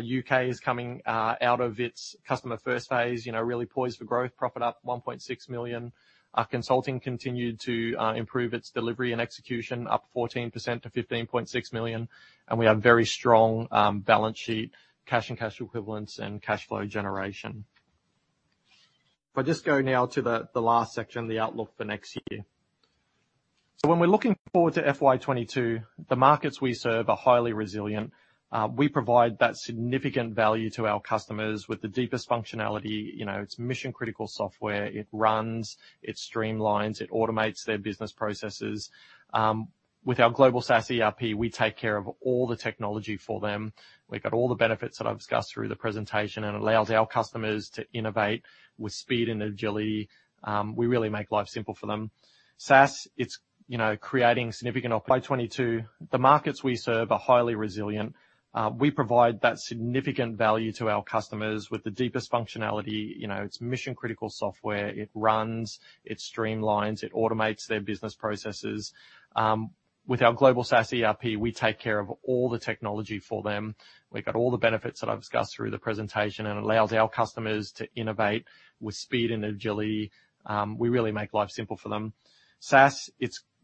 U.K. is coming out of its customer-first phase, you know, really poised for growth. Profit up 1.6 million. Our consulting continued to improve its delivery and execution, up 14% to 15.6 million. We have very strong balance sheet, cash and cash equivalents, and cash flow generation. If I just go now to the last section, the outlook for next year. When we're looking forward to FY 2022, the markets we serve are highly resilient. We provide that significant value to our customers with the deepest functionality. You know, it's mission-critical software. It runs, it streamlines, it automates their business processes. With our global SaaS ERP, we take care of all the technology for them. We've got all the benefits that I've discussed through the presentation, and it allows our customers to innovate with speed and agility. We really make life simple for them. SaaS, it's,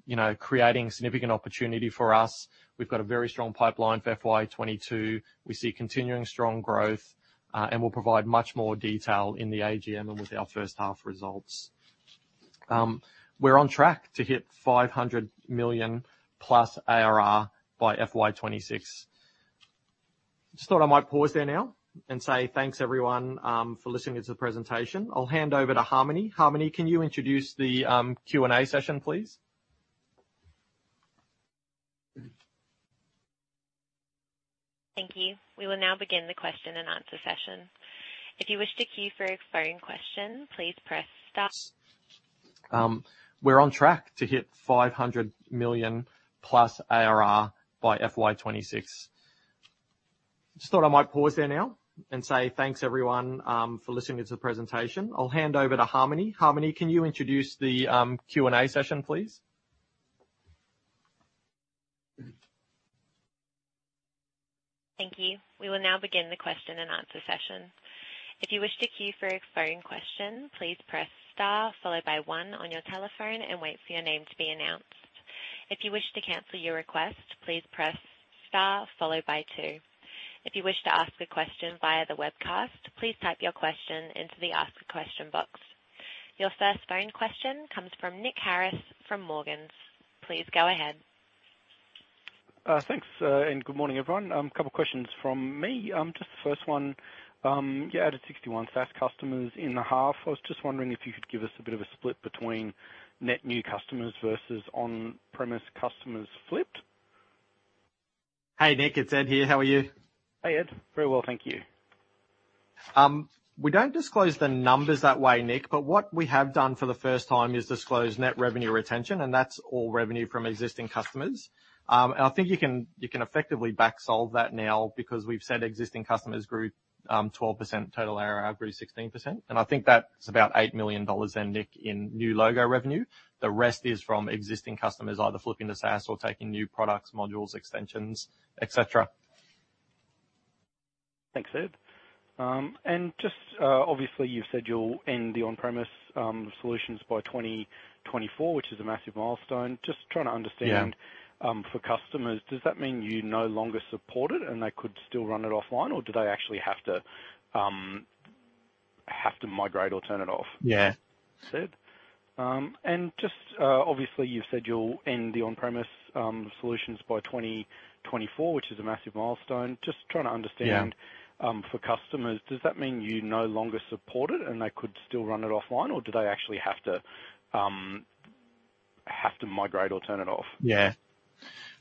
you know, creating significant opportunity for us. We've got a very strong pipeline for FY 2022. We see continuing strong growth, and we'll provide much more detail in the AGM and with our first half results. We're on track to hit 500 million+ ARR by FY 2026. Just thought I might pause there now and say thanks, everyone, for listening to the presentation. I'll hand over to Harmony. Harmony, can you introduce the Q&A session, please? Thank you. We will now begin the question and answer session. Thank you. We will now begin the question and answer session. If you wish to queue for a phone question, please press star followed by one on your telephone and wait for your name to be announced. If you wish to cancel your request, please press star followed by two. If you wish to ask a question via the webcast, please type your question into the ask a question box. Your first phone question comes from Nick Harris from Morgans. Please go ahead. Thanks and good morning, everyone. A couple questions from me. Just the first one. You added 61 SaaS customers in the half. I was just wondering if you could give us a bit of a split between net new customers versus on-premise customers flipped. Hey, Nick. It's Ed here. How are you? Hey, Ed. Very well, thank you. We don't disclose the numbers that way, Nick, but what we have done for the first time is disclose net revenue retention, and that's all revenue from existing customers. I think you can effectively back solve that now because we've said existing customers grew 12%, total ARR grew 16%, and I think that's about 8 million dollars then, Nick, in new logo revenue. The rest is from existing customers either flipping to SaaS or taking new products, modules, extensions, et cetera. Thanks, Ed. Just obviously you've said you'll end the on-premise solutions by 2024, which is a massive milestone. Just trying to understand. Yeah. For customers, does that mean you no longer support it, and they could still run it offline, or do they actually have to migrate or turn it off? Yeah. Yeah.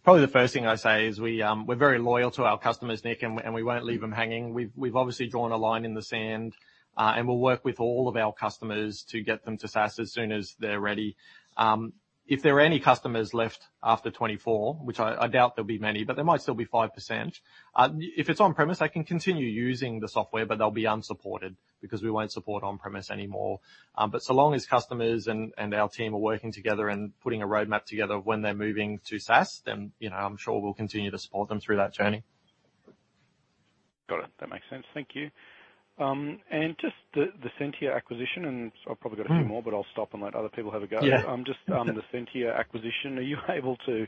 Probably the first thing I say is we're very loyal to our customers, Nick, and we won't leave them hanging. We've obviously drawn a line in the sand, and we'll work with all of our customers to get them to SaaS as soon as they're ready. If there are any customers left after 2024, which I doubt there'll be many, but there might still be 5%. If it's on-premise, they can continue using the software, but they'll be unsupported because we won't support on-premise anymore. So long as customers and our team are working together and putting a roadmap together when they're moving to SaaS, then, you know, I'm sure we'll continue to support them through that journey. Got it. That makes sense. Thank you. Just the Scientia acquisition, and I've probably got a few more, but I'll stop and let other people have a go. Yeah. Just on the Scientia acquisition, are you able to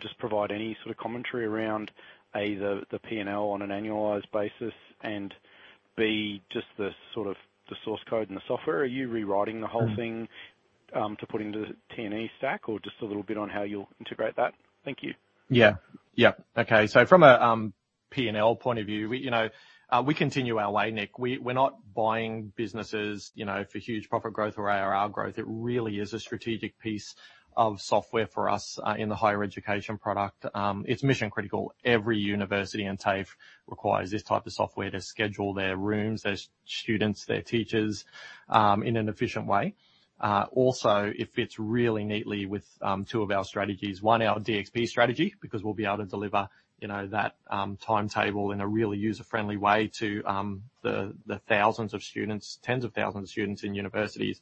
just provide any sort of commentary around A, the P&L on an annualized basis and B, just the sort of source code and the software? Are you rewriting the whole thing? Mm. To put into Technology One stack or just a little bit on how you'll integrate that? Thank you. Yeah. Yeah. Okay. From a P&L point of view, we, you know, we continue our way, Nick. We're not buying businesses, you know, for huge profit growth or ARR growth. It really is a strategic piece of software for us in the higher education product. It's mission-critical. Every university and TAFE requires this type of software to schedule their rooms, their students, their teachers in an efficient way. Also, it fits really neatly with two of our strategies. One, our DXP strategy, because we'll be able to deliver, you know, that timetable in a really user-friendly way to the 1,000 of students, 10,000 thousands of students in universities.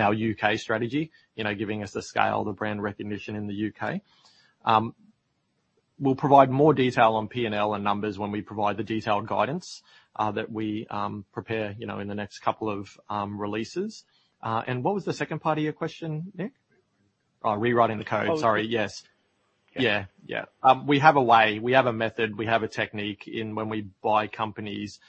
Our U.K. strategy, you know, giving us the scale, the brand recognition in the U.K. We'll provide more detail on P&L and numbers when we provide the detailed guidance that we prepare, you know, in the next couple of releases. What was the second part of your question, Nick? Oh, rewriting the code. We have a way, we have a method, we have a technique in when we buy companies,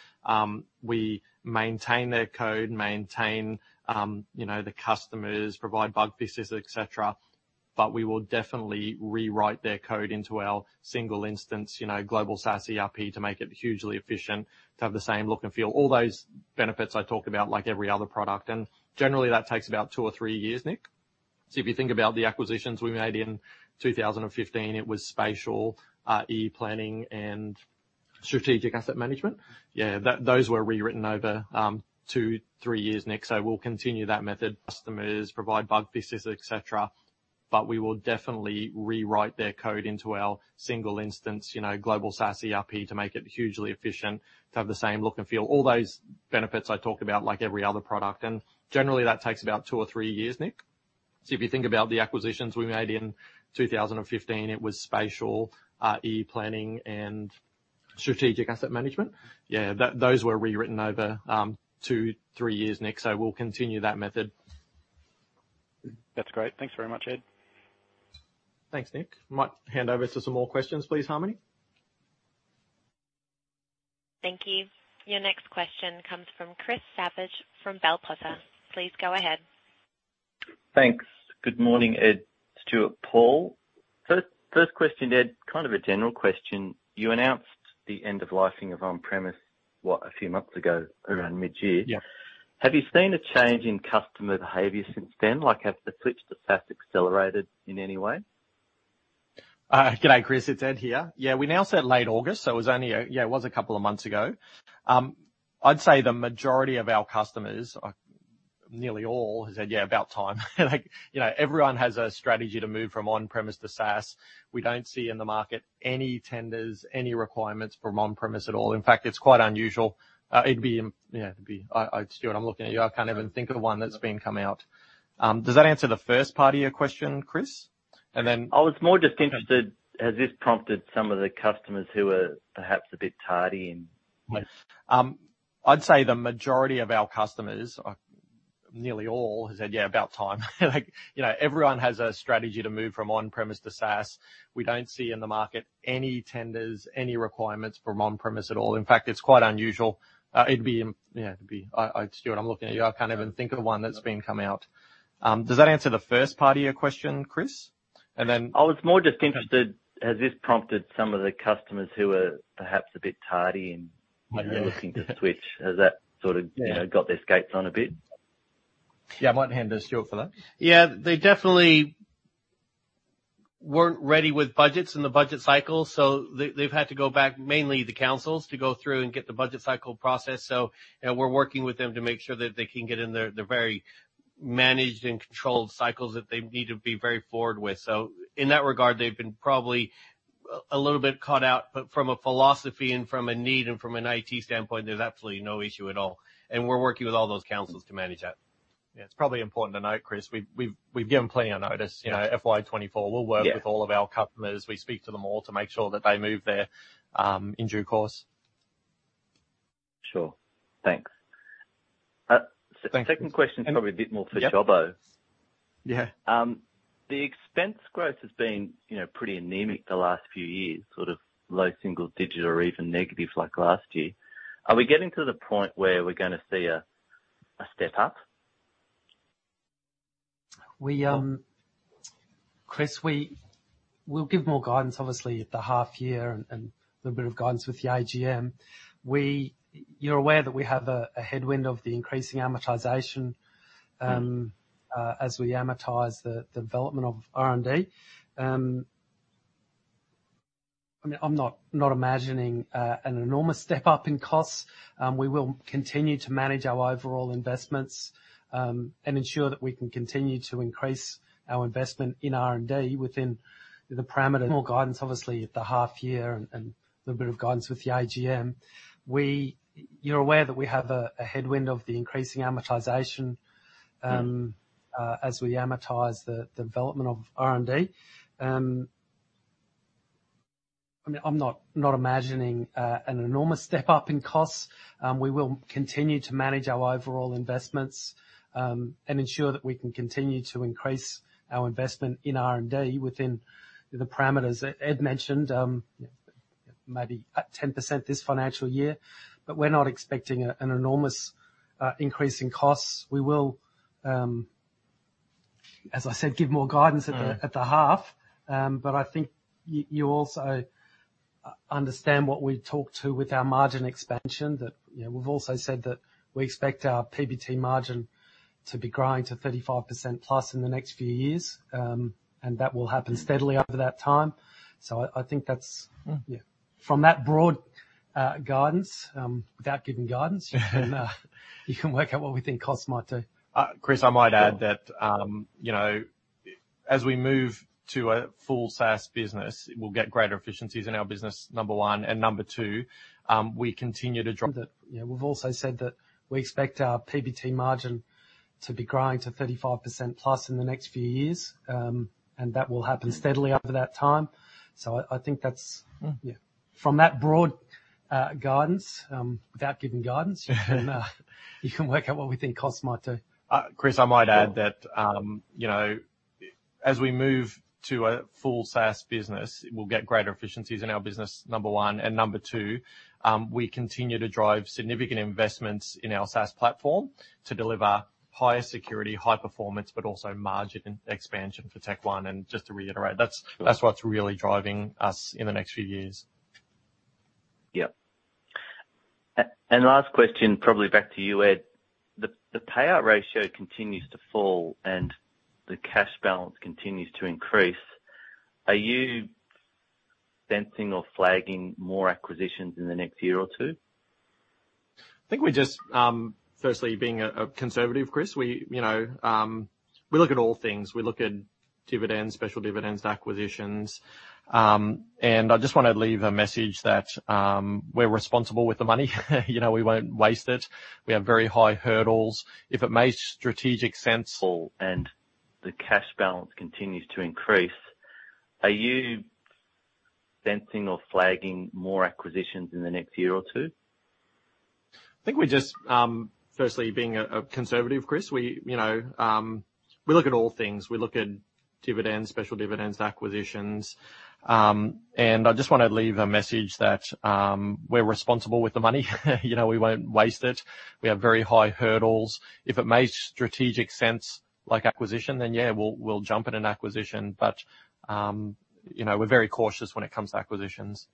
we maintain their code, maintain, you know, the customers, provide bug fixes, et cetera. We will definitely rewrite their code into our single instance, you know, global SaaS ERP to make it hugely efficient, to have the same look and feel. All those benefits I talked about like every other product. Generally, that takes about two or three years, Nick. If you think about the acquisitions we made in 2015, it was Spatial, ePlanning and Strategic Asset Management. Those were rewritten over two, three years, Nick. We'll continue that method. That's great. Thanks very much, Ed. Thanks, Nick. I might hand over to some more questions, please, Harmony. Thank you. Your next question comes from Chris Savage from Bell Potter. Please go ahead. Thanks. Good morning, Ed, Stuart, Paul. First question, Ed, kind of a general question. You announced the end of life of on-premise, what, a few months ago around mid-year. Yeah. Have you seen a change in customer behavior since then? Like, has the switch to SaaS accelerated in any way? Good day, Chris. It's Ed here. Yeah, we announced late August, so it was only a couple of months ago. I'd say the majority of our customers, nearly all have said, "Yeah, about time." Like, you know, everyone has a strategy to move from on-premise to SaaS. We don't see in the market any tenders, any requirements for on-premise at all. In fact, it's quite unusual. Stuart, I'm looking at you. I can't even think of one that's been coming out. Does that answer the first part of your question, Chris? I was more just interested. Has this prompted some of the customers who are perhaps a bit tardy in- Yes. I'd say the majority of our customers, nearly all has said, "Yeah, about time." Like, you know, everyone has a strategy to move from on-premise to SaaS. We don't see in the market any tenders, any requirements from on-premise at all. In fact, it's quite unusual. It'd be unusual. Stuart, I'm looking at you. I can't even think of one that's come out. Does that answer the first part of your question, Chris? Then- Yes. you know, looking to switch? Has that sort of- Yeah. You know, got their skates on a bit? Yeah, I might hand to Stuart for that. Yeah. They definitely weren't ready with budgets and the budget cycle, so they've had to go back, mainly the councils, to go through and get the budget cycle processed. You know, we're working with them to make sure that they can get in their very managed and controlled cycles that they need to be very forward with. In that regard, they've been probably a little bit caught out. From a philosophy and from a need and from an IT standpoint, there's absolutely no issue at all. We're working with all those councils to manage that. Yeah. It's probably important to note, Chris, we've given plenty of notice. You know, FY 2024. Yeah. We'll work with all of our customers. We speak to them all to make sure that they move there in due course. Sure. Thanks. Thanks, Chris. Second question is probably a bit more for Paul. Yeah. The expense growth has been, you know, pretty anemic the last few years, sort of low single-digit or even negative like last year. Are we getting to the point where we're gonna see a step up? Chris, we'll give more guidance, obviously, at the half year and a little bit of guidance with the AGM. You're aware that we have a headwind of the increasing amortization Mm-hmm. As we amortize the development of R&D. I mean, I'm not imagining an enormous step-up in costs. We will continue to manage our overall investments, and ensure that we can continue to increase our investment in R&D within the parameters. More guidance, obviously, at the half year and a little bit of guidance with the AGM. You're aware that we have a headwind of the increasing amortization. Mm-hmm. Ed mentioned, maybe at 10% this financial year. We're not expecting an enormous increase in costs. We will, as I said, give more guidance at the half. I think you also understand what we talked to with our margin expansion that, you know, we've also said that we expect our PBT margin to be growing to 35%+ in the next few years. That will happen steadily over that time. I think that's- Mm. Yeah. From that broad guidance, you can work out what we think costs might do. Chris, I might add that. Sure Chris, I might add that, you know, as we move to a full SaaS business, we'll get greater efficiencies in our business, number one. Number two, we continue to drive significant investments in our SaaS platform to deliver higher security, high performance, but also margin expansion for TechOne. Just to reiterate, that's what's really driving us in the next few years. Yep. Last question, probably back to you, Ed. The payout ratio continues to fall, and the cash balance continues to increase. Are you sensing or flagging more acquisitions in the next year or two? I think we're just firstly being a conservative, Chris. We, you know, look at all things. We look at dividends, special dividends, acquisitions. I just wanna leave a message that we're responsible with the money. You know, we won't waste it. We have very high hurdles. If it makes strategic sense like acquisition, then yeah, we'll jump in an acquisition. You know, we're very cautious when it comes to acquisitions.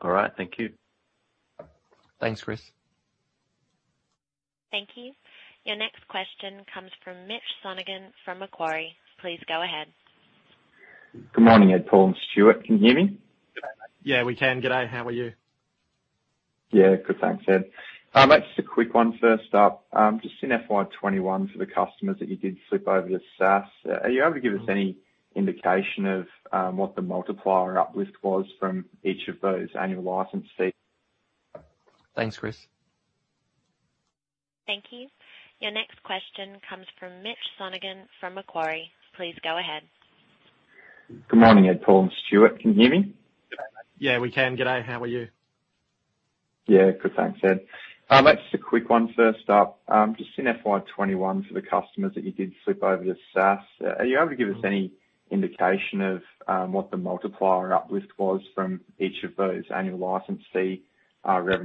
All right. Thank you. Thanks, Chris. Thank you. Your next question comes from Mitch Sonogan from Macquarie. Please go ahead. Good morning, Ed, Paul, and Stuart. Can you hear me? Yeah, we can. Good day. How are you? Yeah. Good, thanks, Ed. Maybe just a quick one first up. Just in FY 2021 for the customers that you did slip over to SaaS, are you able to give us any indication of what the multiplier uplift was from each of those annual license fees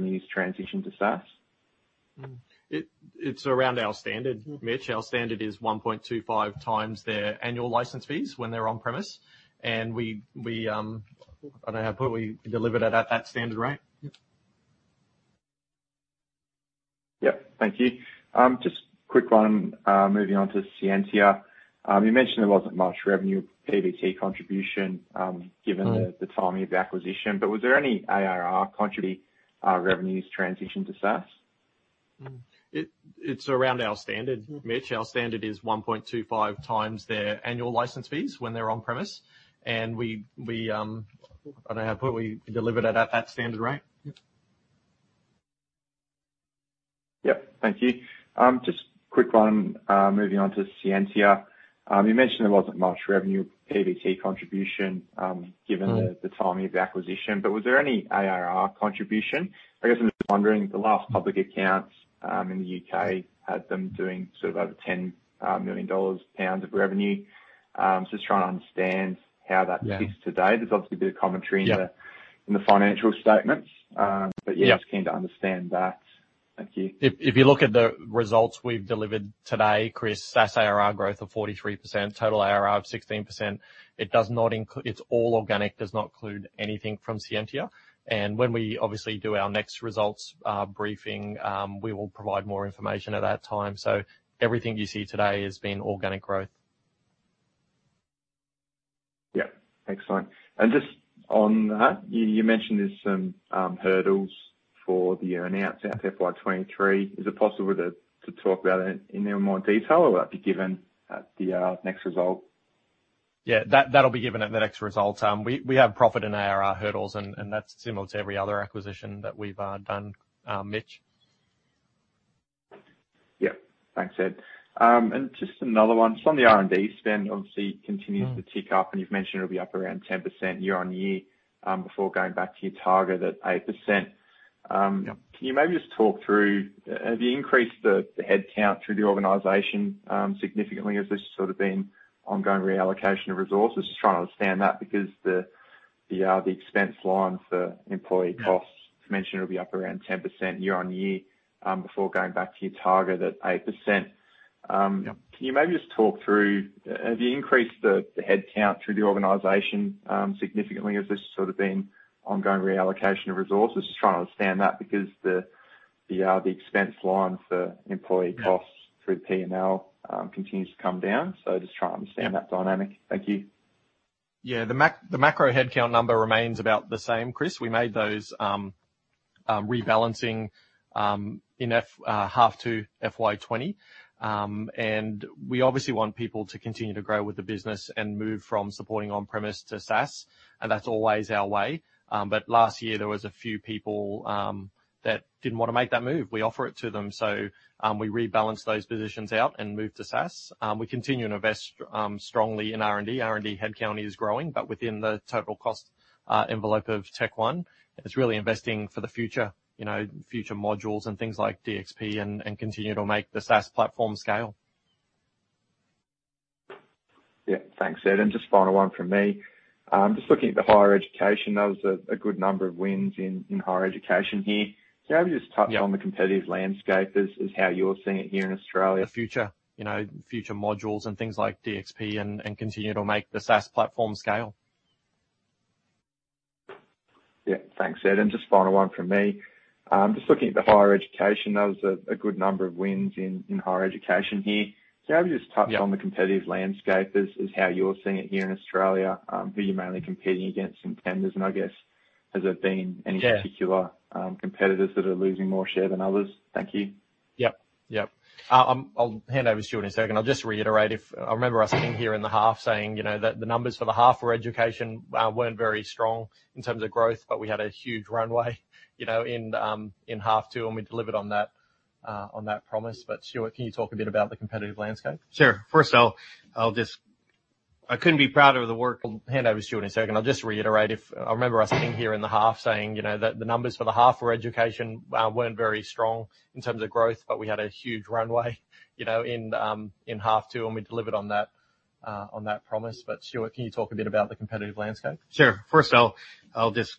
revenues transitioned to SaaS? It's around our standard, Mitch. Our standard is 1.25x their annual license fees when they're on premise. I don't know how to put it. We delivered it at that standard rate. Yep. Thank you. Just quick one, moving on to Scientia. You mentioned there wasn't much revenue PBT contribution, given the timing of the acquisition. Was there any ARR contribution? I guess I'm just wondering, the last public accounts in the U.K. had them doing sort of over 10 million pounds of revenue. Just trying to understand how that sits today. There's obviously a bit of commentary in the- Yeah. In the financial statements? Yep. Just keen to understand that. Thank you. If you look at the results we've delivered today, Chris, SaaS ARR growth of 43%, total ARR of 16%, it does not include anything from Scientia. When we obviously do our next results briefing, we will provide more information at that time. Everything you see today has been organic growth. Yep. Excellent. Just on that, you mentioned there's some hurdles for the earn-out out to FY 2023. Is it possible to talk about it in any more detail, or will that be given at the next result? Yeah, that'll be given at the next result. We have profit and ARR hurdles and that's similar to every other acquisition that we've done, Mitch. Yep. Thanks, Ed. Just another one. Just on the R&D spend, obviously continues to tick up, and you've mentioned it'll be up around 10% year-on-year, before going back to your target at 8%. Can you maybe just talk through, have you increased the headcount through the organization significantly? Has this sort of been ongoing reallocation of resources? Just trying to understand that because the expense line for employee costs through the P&L continues to come down. Just trying to understand that dynamic. Thank you. Yeah. The macro headcount number remains about the same, Chris. We made those rebalancing in half two FY 2020. We obviously want people to continue to grow with the business and move from supporting on-premise to SaaS, and that's always our way. Last year there was a few people that didn't wanna make that move. We offer it to them. We rebalanced those positions out and moved to SaaS. We continue to invest strongly in R&D. R&D headcount is growing, but within the total cost envelope of TechOne. It's really investing for the future, you know, future modules and things like DXP and continuing to make the SaaS platform scale. Yeah. Thanks, Ed. Just final one from me. Just looking at the higher education, that was a good number of wins in higher education here. Can I maybe just touch- Yeah. On the competitive landscape as how you're seeing it here in Australia, who you're mainly competing against and tenders, and I guess has there been any Yeah. in particular, competitors that are losing more share than others? Thank you. I'll hand over to Stuart in a second. I'll just reiterate I remember us being here in the half saying, you know, that the numbers for the half for education weren't very strong in terms of growth, but we had a huge runway, you know, in half two, and we delivered on that, on that promise. Stuart, can you talk a bit about the competitive landscape? Sure. First, I'll just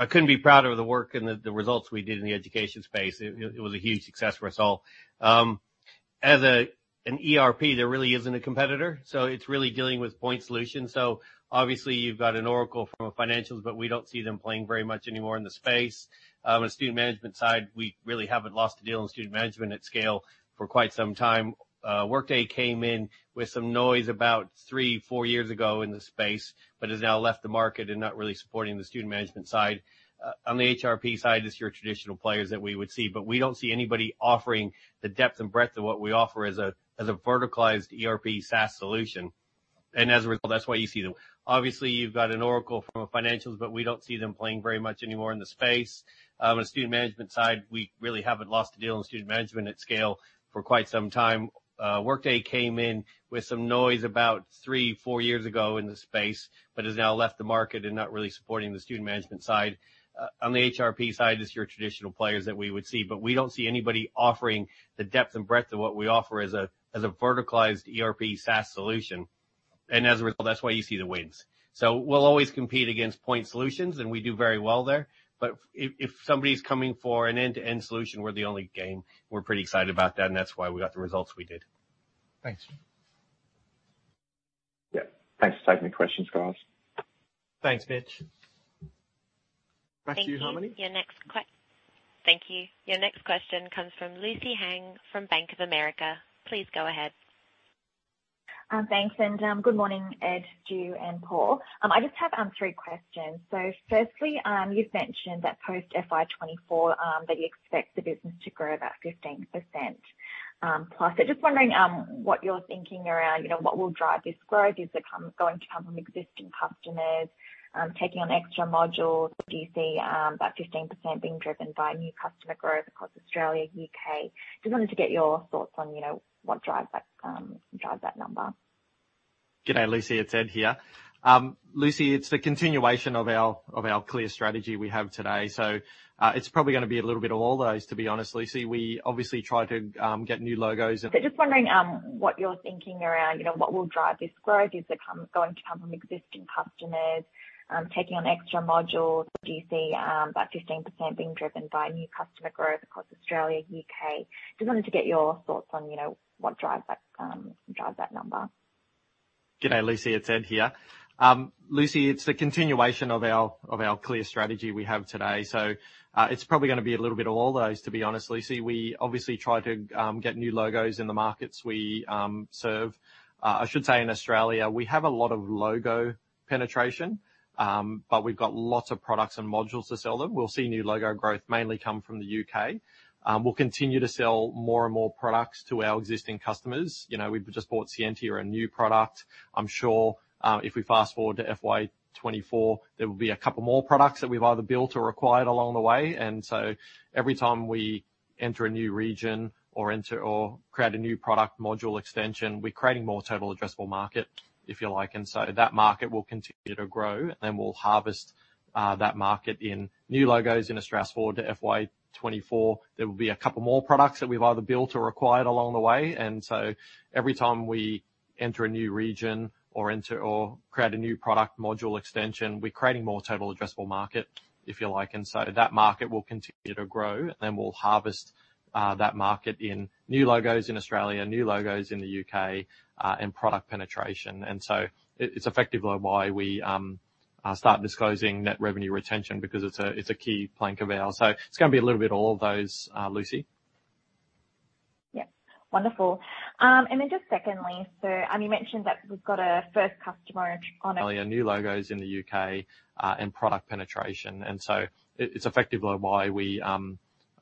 I couldn't be prouder of the work and the results we did in the education space. It was a huge success for us all. As an ERP, there really isn't a competitor, so it's really dealing with point solutions. Obviously you've got an Oracle for financials, but we don't see them playing very much anymore in the space. On Student Management side, we really haven't lost a deal in Student Management at scale for quite some time. Workday came in with some noise about three, four years ago in the space, but has now left the market and not really supporting the Student Management side. On the HRP side, it's your traditional players that we would see, but we don't see anybody offering the depth and breadth of what we offer as a verticalized ERP SaaS solution. As a result, that's why you see. Obviously, you've got an Oracle for financials, but we don't see them playing very much anymore in the space. On Student Management side, we really haven't lost a deal in Student Management at scale for quite some time. Workday came in with some noise about three, four years ago in the space, but has now left the market and not really supporting the Student Management side. As a result, that's why you see the wins. We'll always compete against point solutions, and we do very well there. But if somebody's coming for an end-to-end solution, we're the only game. We're pretty excited about that, and that's why we got the results we did. Thanks. Yeah. Thanks for taking the questions, guys. Thanks, Mitch. Back to you, Harmony. Thank you. Your next question comes from Lucy Huang from Bank of America. Please go ahead. Thanks and good morning, Ed, Stu, and Paul. I just have three questions. Firstly, you've mentioned that post FY 2024, that you expect the business to grow about 15%+. Just wondering what you're thinking around, you know, what will drive this growth. Is it going to come from existing customers taking on extra modules? Do you see that 15% being driven by new customer growth across Australia, U.K.? Just wanted to get your thoughts on, you know, what drives that number. G'day, Lucy, it's Ed here. Lucy, it's the continuation of our clear strategy we have today. It's probably gonna be a little bit of all those, to be honest, Lucy. We obviously try to get new logos in the markets we serve. I should say in Australia, we have a lot of logo penetration, but we've got lots of products and modules to sell them. We'll see new logo growth mainly come from the U.K. We'll continue to sell more and more products to our existing customers. You know, we've just bought Scientia, a new product. I'm sure, if we fast-forward to FY 2024, there will be a couple more products that we've either built or acquired along the way. Every time we enter a new region or create a new product module extension, we're creating more total addressable market, if you like. That market will continue to grow, and then we'll harvest that market in new logos in Australia. Fast-forward to FY 2024, there will be a couple more products that we've either built or acquired along the way. Every time we enter a new region or create a new product module extension, we're creating more total addressable market, if you like. That market will continue to grow, and then we'll harvest that market in new logos in Australia, new logos in the U.K., and product penetration. It's effectively why we start disclosing Net Revenue Retention because it's a key plank of ours. It's gonna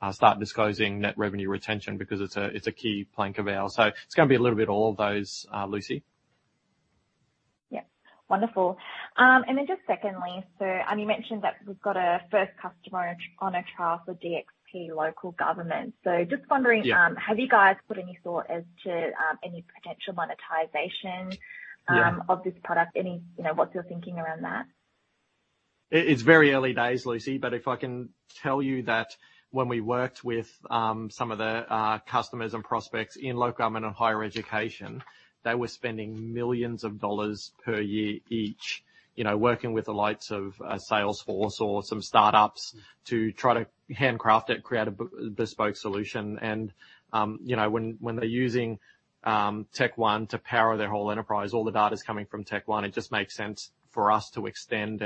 be a little bit of all of those, Lucy. Yep. Wonderful. Just secondly, you mentioned that we've got a first customer on a trial for DXP Local Government. Just wondering? Yeah. Have you guys put any thought as to any potential monetization? Yeah. Of this product? You know, what's your thinking around that? It's very early days, Lucy, but if I can tell you that when we worked with some of the customers and prospects in local government and higher education, they were spending 1 millions dollars per year each, you know, working with the likes of Salesforce or some startups to try to handcraft it, create a bespoke solution. You know, when they're using TechOne to power their whole enterprise, all the data's coming from TechOne, it just makes sense for us to extend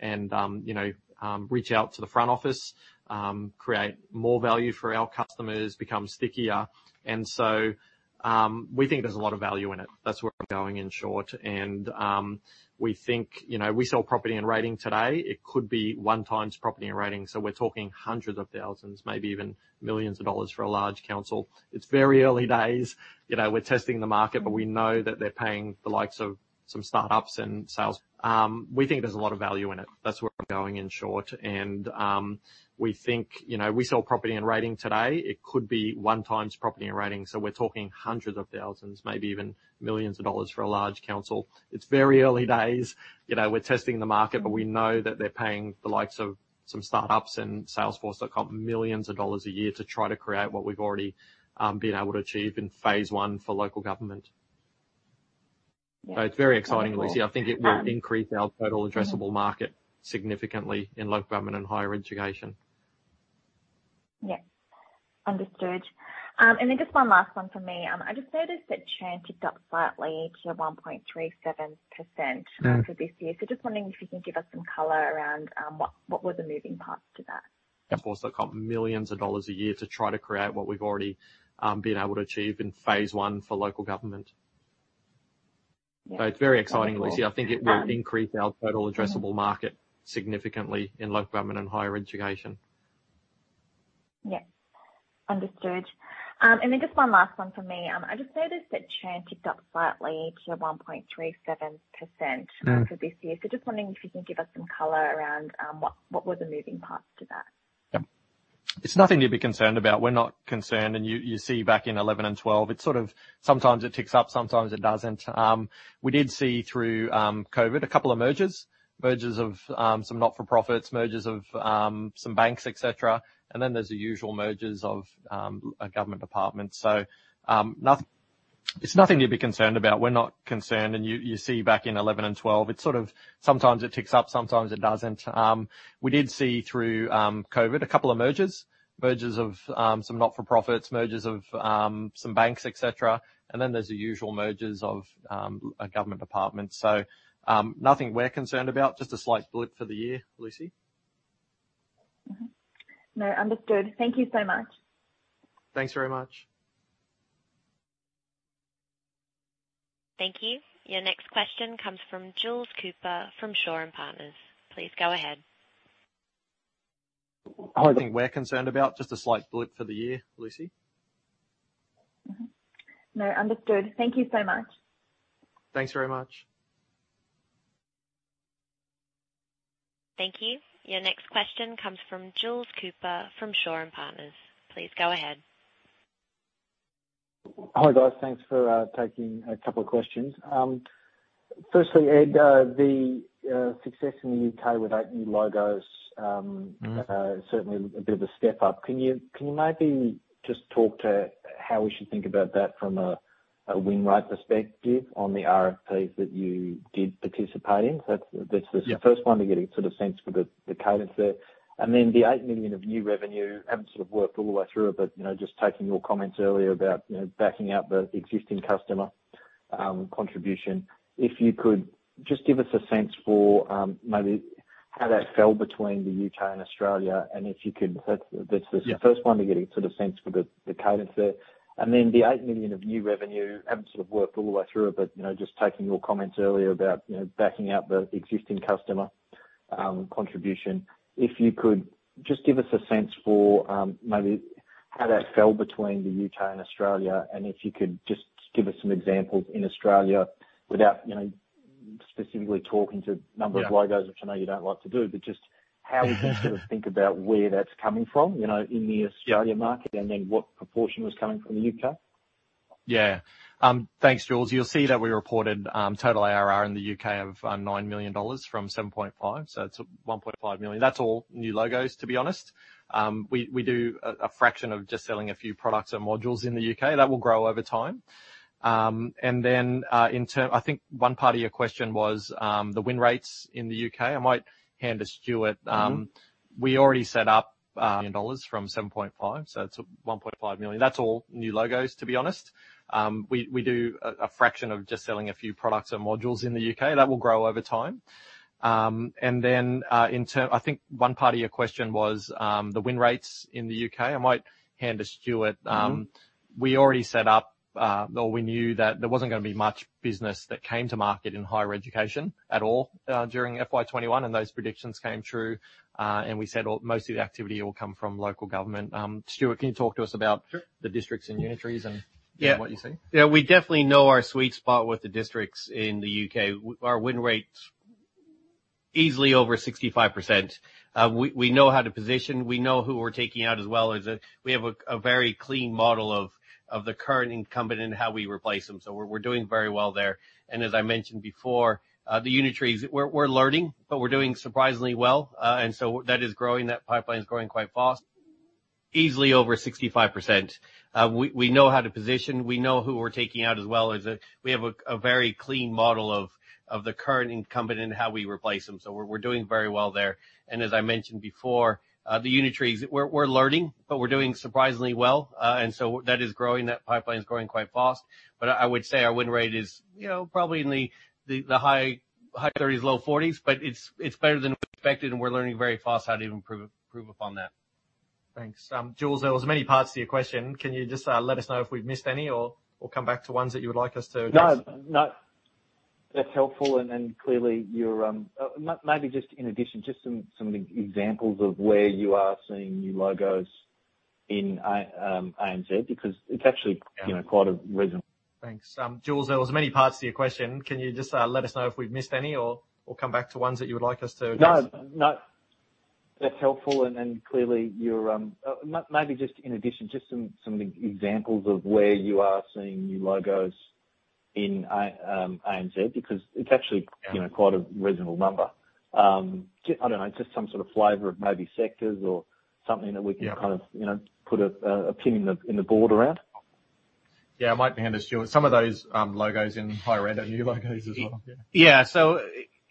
and reach out to the front office, create more value for our customers, become stickier. We think there's a lot of value in it. That's where we're going, in short. We think you know we sell Property & Rating today. It could be 1x Property & Rating, so we're talking 100,000, maybe even 1 millions dollars for a large council. It's very early days. You know, we're testing the market, but we know that they're paying the likes of some startups and salesforce.com 1 millions dollars a year to try to create what we've already been able to achieve in phase one for local government. Yes. It's very exciting, Lucy. Um- I think it will increase our total addressable market significantly in local government and higher education. Yes. Understood. Just one last one from me. I just noticed that churn ticked up slightly to 1.37% for this year. Mm-hmm. Just wondering if you can give us some color around, what were the moving parts to that? Yeah. It's nothing to be concerned about. We're not concerned. You see back in 2011 and 2012, it sort of sometimes ticks up, sometimes it doesn't. We did see through COVID a couple of mergers. Mergers of some not-for-profits, mergers of some banks, et cetera. Then there's the usual mergers of government departments. Nothing we're concerned about, just a slight blip for the year, Lucy. No. Understood. Thank you so much. Thanks very much. Thank you. Your next question comes from Jules Cooper from Shaw and Partners. Please go ahead. Hi, guys. Thanks for taking a couple of questions. Firstly, Ed, the success in the U.K. with eight new logos, Mm-hmm. Certainly a bit of a step up. Can you maybe just talk to how we should think about that from a win rate perspective on the RFPs that you did participate in? That's the- Yeah. The first one to get a sort of sense for the cadence there. Then the 8 million of new revenue, haven't sort of worked all the way through it, but you know, just taking your comments earlier about you know, backing out the existing customer contribution, if you could just give us a sense for maybe how that fell between the U.K. and Australia, and if you could just give us some examples in Australia without you know, specifically talking to Yeah. a number of logos, which I know you don't like to do, but just how we can sort of think about where that's coming from, you know, in the Australian market. Yeah. What proportion was coming from the U.K.? Yeah. Thanks, Jules. You'll see that we reported total ARR in the U.K. of 9 million dollars from 7.5 million, so that's 1.5 million. That's all new logos, to be honest. We do a fraction of just selling a few products and modules in the U.K. That will grow over time. I think one part of your question was the win rates in the U.K. I might hand to Stuart. We already set up, or we knew that there wasn't gonna be much business that came to market in higher education at all, during FY 2021, and those predictions came true. We said almost all the activity will come from local government. Stuart, can you talk to us about- Sure. the districts and unitaries and Yeah. what you're seeing? Yeah. We definitely know our sweet spot with the districts in the U.K. Our win rate's easily over 65%. We know how to position. We know who we're taking out as well as we have a very clean model of the current incumbent and how we replace them. We're doing very well there. As I mentioned before, the universities, we're learning, but we're doing surprisingly well. That is growing. That pipeline is growing quite fast. I would say our win rate is, you know, probably in the high 30s%-low 40s%, but it's better than expected, and we're learning very fast how to even improve upon that. Thanks. Jules, there was many parts to your question. Can you just let us know if we've missed any or come back to ones that you would like us to address? No, no, that's helpful. Clearly you're maybe just in addition, just some examples of where you are seeing new logos in ANZ, because it's actually quite a reasonable number. Just some sort of flavor of maybe sectors or something that we can put a pin in the board around. Yeah. I might hand this to you. Some of those logos in higher ed are new logos as well.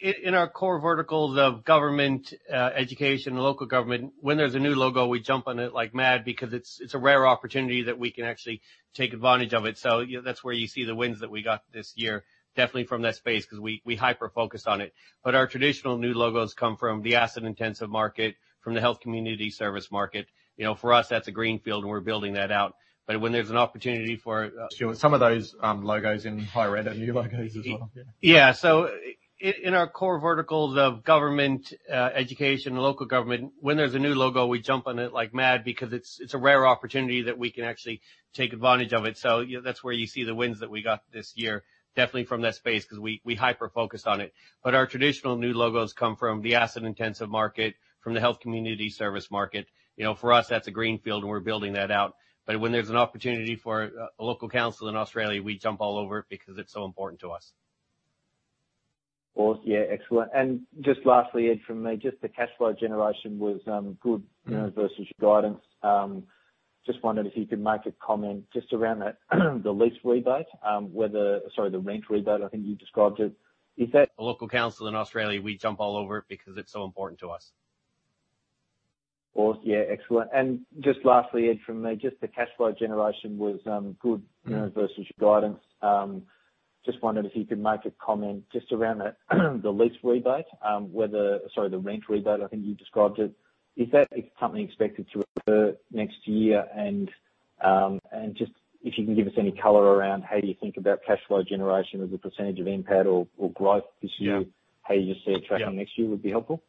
In our core verticals of government, education and local government, when there's a new logo, we jump on it like mad because it's a rare opportunity that we can actually take advantage of it. That's where you see the wins that we got this year, definitely from that space, 'cause we hyper-focused on it. Our traditional new logos come from the asset intensive market, from the health community service market. You know, for us, that's a greenfield and we're building that out. When there's an opportunity for when there's an opportunity for a local council in Australia, we jump all over it because it's so important to us. Well, yeah. Excellent. Just lastly, Ed, from me, just the cash flow generation was good, you know, versus your guidance. Just wondered if you could make a comment just around the rent rebate, I think you described it. Is that something expected to occur next year? Just if you can give us any color around how do you think about cash flow generation as a percentage of NPAT or growth this year? Yeah. How you see it tracking next year would be helpful.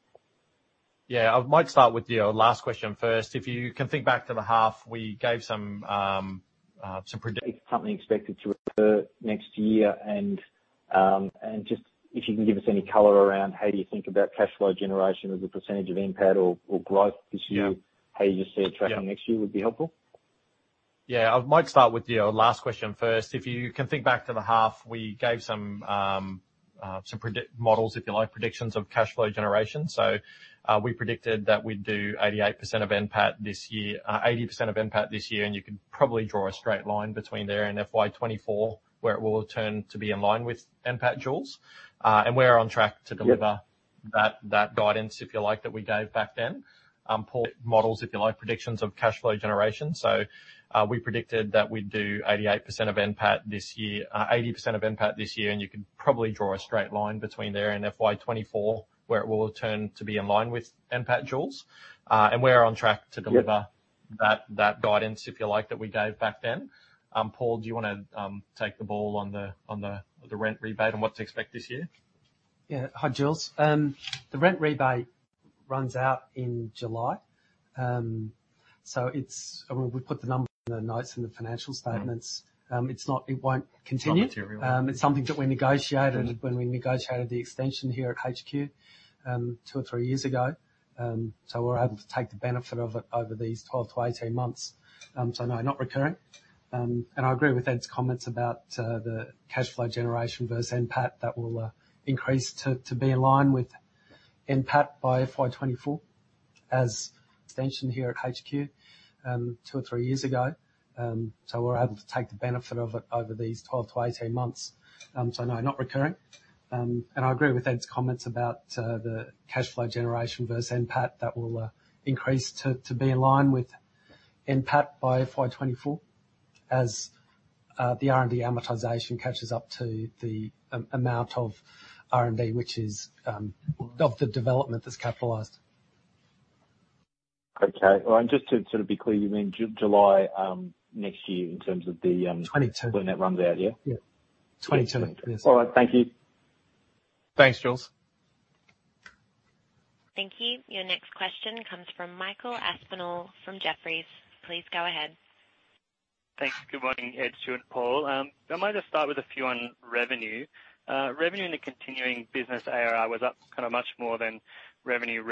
Yeah. I might start with your last question first. If you can think back to the half, we gave some models, if you like, predictions of cash flow generation. We predicted that we'd do 80% of NPAT this year, and you could probably draw a straight line between there and FY 2024, where it will turn to be in line with NPAT, Jules. We're on track to deliver that guidance, if you like, that we gave back then. Paul, do you wanna take the ball on the rent rebate and what to expect this year? Yeah. Hi, Jules. The rent rebate runs out in July. We put the numbers in the notes and the financial statements. It won't continue. It's not material. It's something that we negotiated when we negotiated the extension here at HQ two or three years ago. We're able to take the benefit of it over these 12 to 18 months. No, not recurring. I agree with Ed's comments about the cash flow generation versus NPAT. That will increase to be in line with NPAT by FY 2024. That will increase to be in line with NPAT by FY 2024 as the R&D amortization catches up to the amount of R&D, which is of the development that's capitalized. Okay. Well, just to sort of be clear, you mean July next year in terms of the? 2022. when that runs out, yeah? Yeah. 2022. All right. Thank you. Thanks, Jules. Thank you. Your next question comes from Michael Aspinall from Jefferies. Please go ahead. Thanks. Good morning, Ed, Stu, and Paul. I might just start with a few on revenue. Revenue in the continuing business ARR was up kinda much more than revenue recognized,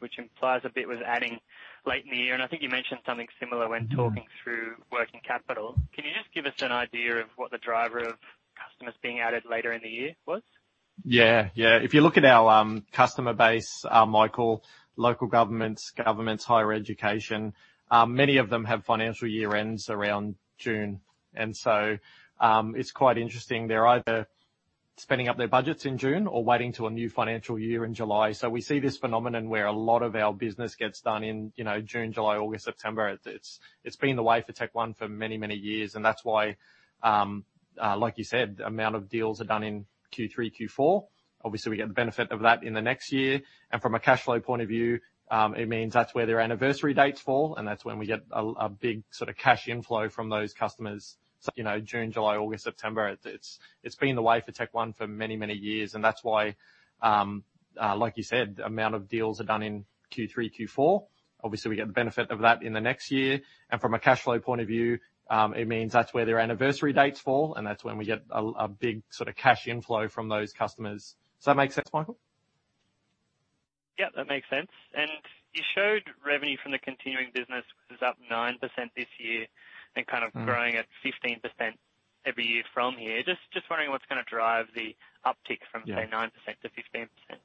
which implies a bit was adding late in the year, and I think you mentioned something similar when talking through working capital. Can you just give us an idea of what the driver of customers being added later in the year was? Yeah. Yeah. If you look at our customer base, Michael, local governments, higher education, many of them have financial year ends around June. It's quite interesting. They're either spending up their budgets in June or waiting till a new financial year in July. We see this phenomenon where a lot of our business gets done in, you know, June, July, August, September. It's been the way for TechOne for many years, and that's why, like you said, the amount of deals are done in Q3, Q4. Obviously, we get the benefit of that in the next year. From a cash flow point of view, it means that's where their anniversary dates fall, and that's when we get a big sorta cash inflow from those customers. Does that make sense, Michael? Yeah, that makes sense. You showed revenue from the continuing business was up 9% this year. Mm-hmm. kind of growing at 15% every year from here. Just wondering what's gonna drive the uptick from- Yeah. -say, 9%-15%.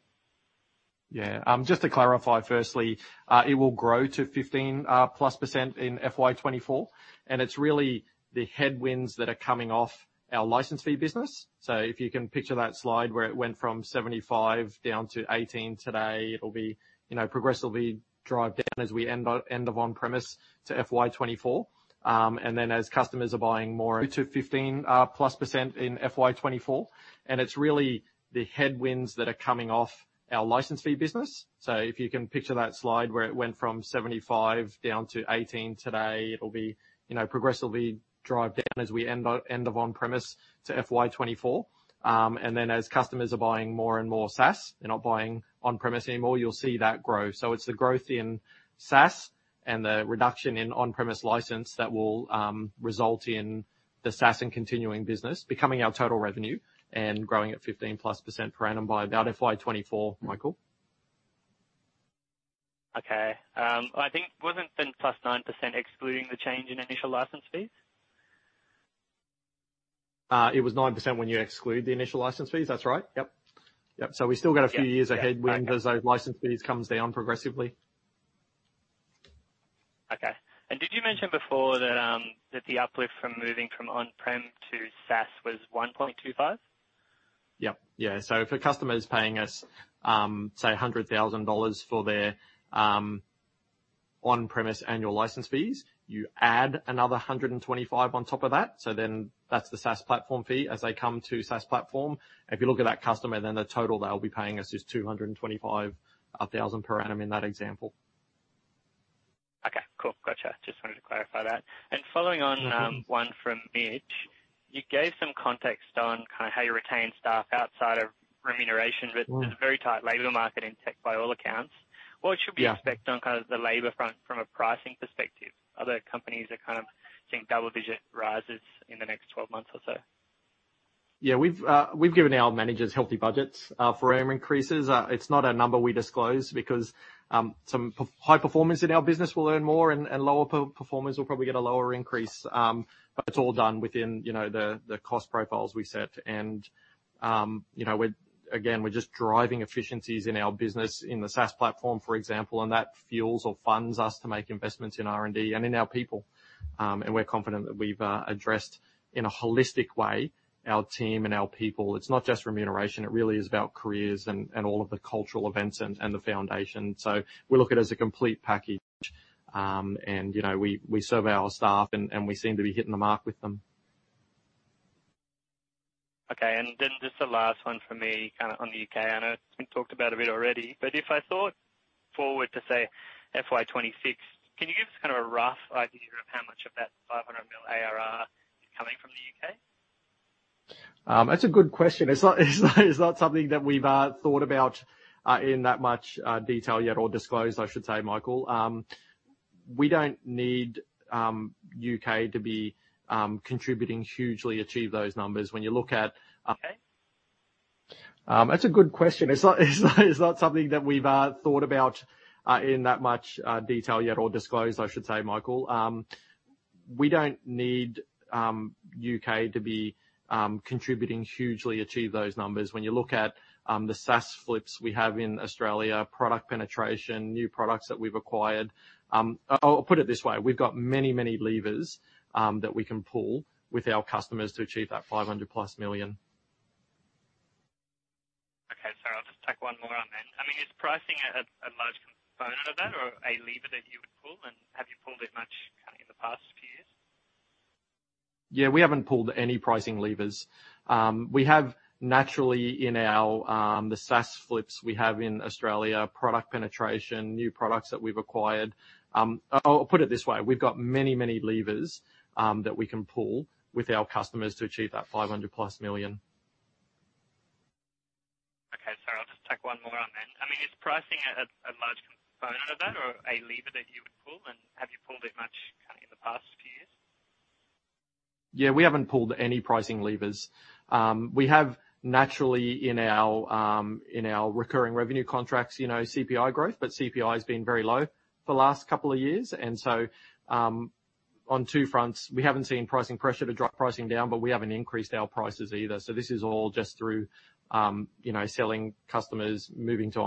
Yeah. Just to clarify, firstly, it will grow to 15%+ in FY 2024, and it's really the headwinds that are coming off our license fee business. If you can picture that slide where it went from 75% down to 18% today, it'll be, you know, progressively drive down as we end of on-premise to FY 2024. Then as customers are buying more and more SaaS, they're not buying on-premise anymore, you'll see that grow. It's the growth in SaaS and the reduction in on-premise license that will result in the SaaS and continuing business becoming our total revenue and growing at 15%+ per annum by about FY 2024, Michael. Okay. I think wasn't it then +9% excluding the change in initial license fees? It was 9% when you exclude the initial license fees. That's right. Yep. We still got a few years ahead. Yeah. Yeah. Right. Of when those license fees comes down progressively. Okay. Did you mention before that the uplift from moving from on-prem to SaaS was 1.25? Yep. Yeah. If a customer is paying us, say 100,000 dollars for their on-premise annual license fees, you add another 125 on top of that. That's the SaaS platform fee as they come to SaaS platform. If you look at that customer, the total they'll be paying us is 225,000 per annum in that example. Okay. Cool. Gotcha. Just wanted to clarify that. Following on one from Mitch, you gave some context on kinda how you retain staff outside of remuneration. Mm-hmm. there's a very tight labor market in tech by all accounts. Yeah. What should we expect on kind of the labor front from a pricing perspective? Other companies are kind of seeing double-digit rises in the next 12 months or so. Yeah. We've given our managers healthy budgets for annual increases. It's not a number we disclose because some high performers in our business will earn more and lower performers will probably get a lower increase. It's all done within, you know, the cost profiles we set. You know, again, we're just driving efficiencies in our business, in the SaaS platform, for example, and that fuels or funds us to make investments in R&D and in our people. We're confident that we've addressed, in a holistic way, our team and our people. It's not just remuneration. It really is about careers and all of the cultural events and the foundation. We look at it as a complete package. You know, we survey our staff and we seem to be hitting the mark with them. Okay. Just the last one from me, kinda on the U.K. I know it's been talked about a bit already, but if I think forward to, say, FY 2026, can you give us kind of a rough idea of how much of that 500 million ARR is coming from the U.K.? That's a good question. It's not something that we've thought about in that much detail yet or disclosed, I should say, Michael. We don't need U.K. to be contributing hugely to achieve those numbers. When you look at the SaaS flips we have in Australia, product penetration, new products that we've acquired. I'll put it this way, we've got many, many levers that we can pull with our customers to achieve that 500+ million. Okay. Sorry. I'll just tack one more on then. I mean, is pricing a large component of that or a lever that you would pull, and have you pulled it much kinda in the past few years? Yeah, we haven't pulled any pricing levers. We have naturally in our recurring revenue contracts, you know, CPI growth, but CPI has been very low for the last couple of years. On two fronts, we haven't seen pricing pressure to drop pricing down, but we haven't increased our prices either. This is all just through, you know, selling customers, moving to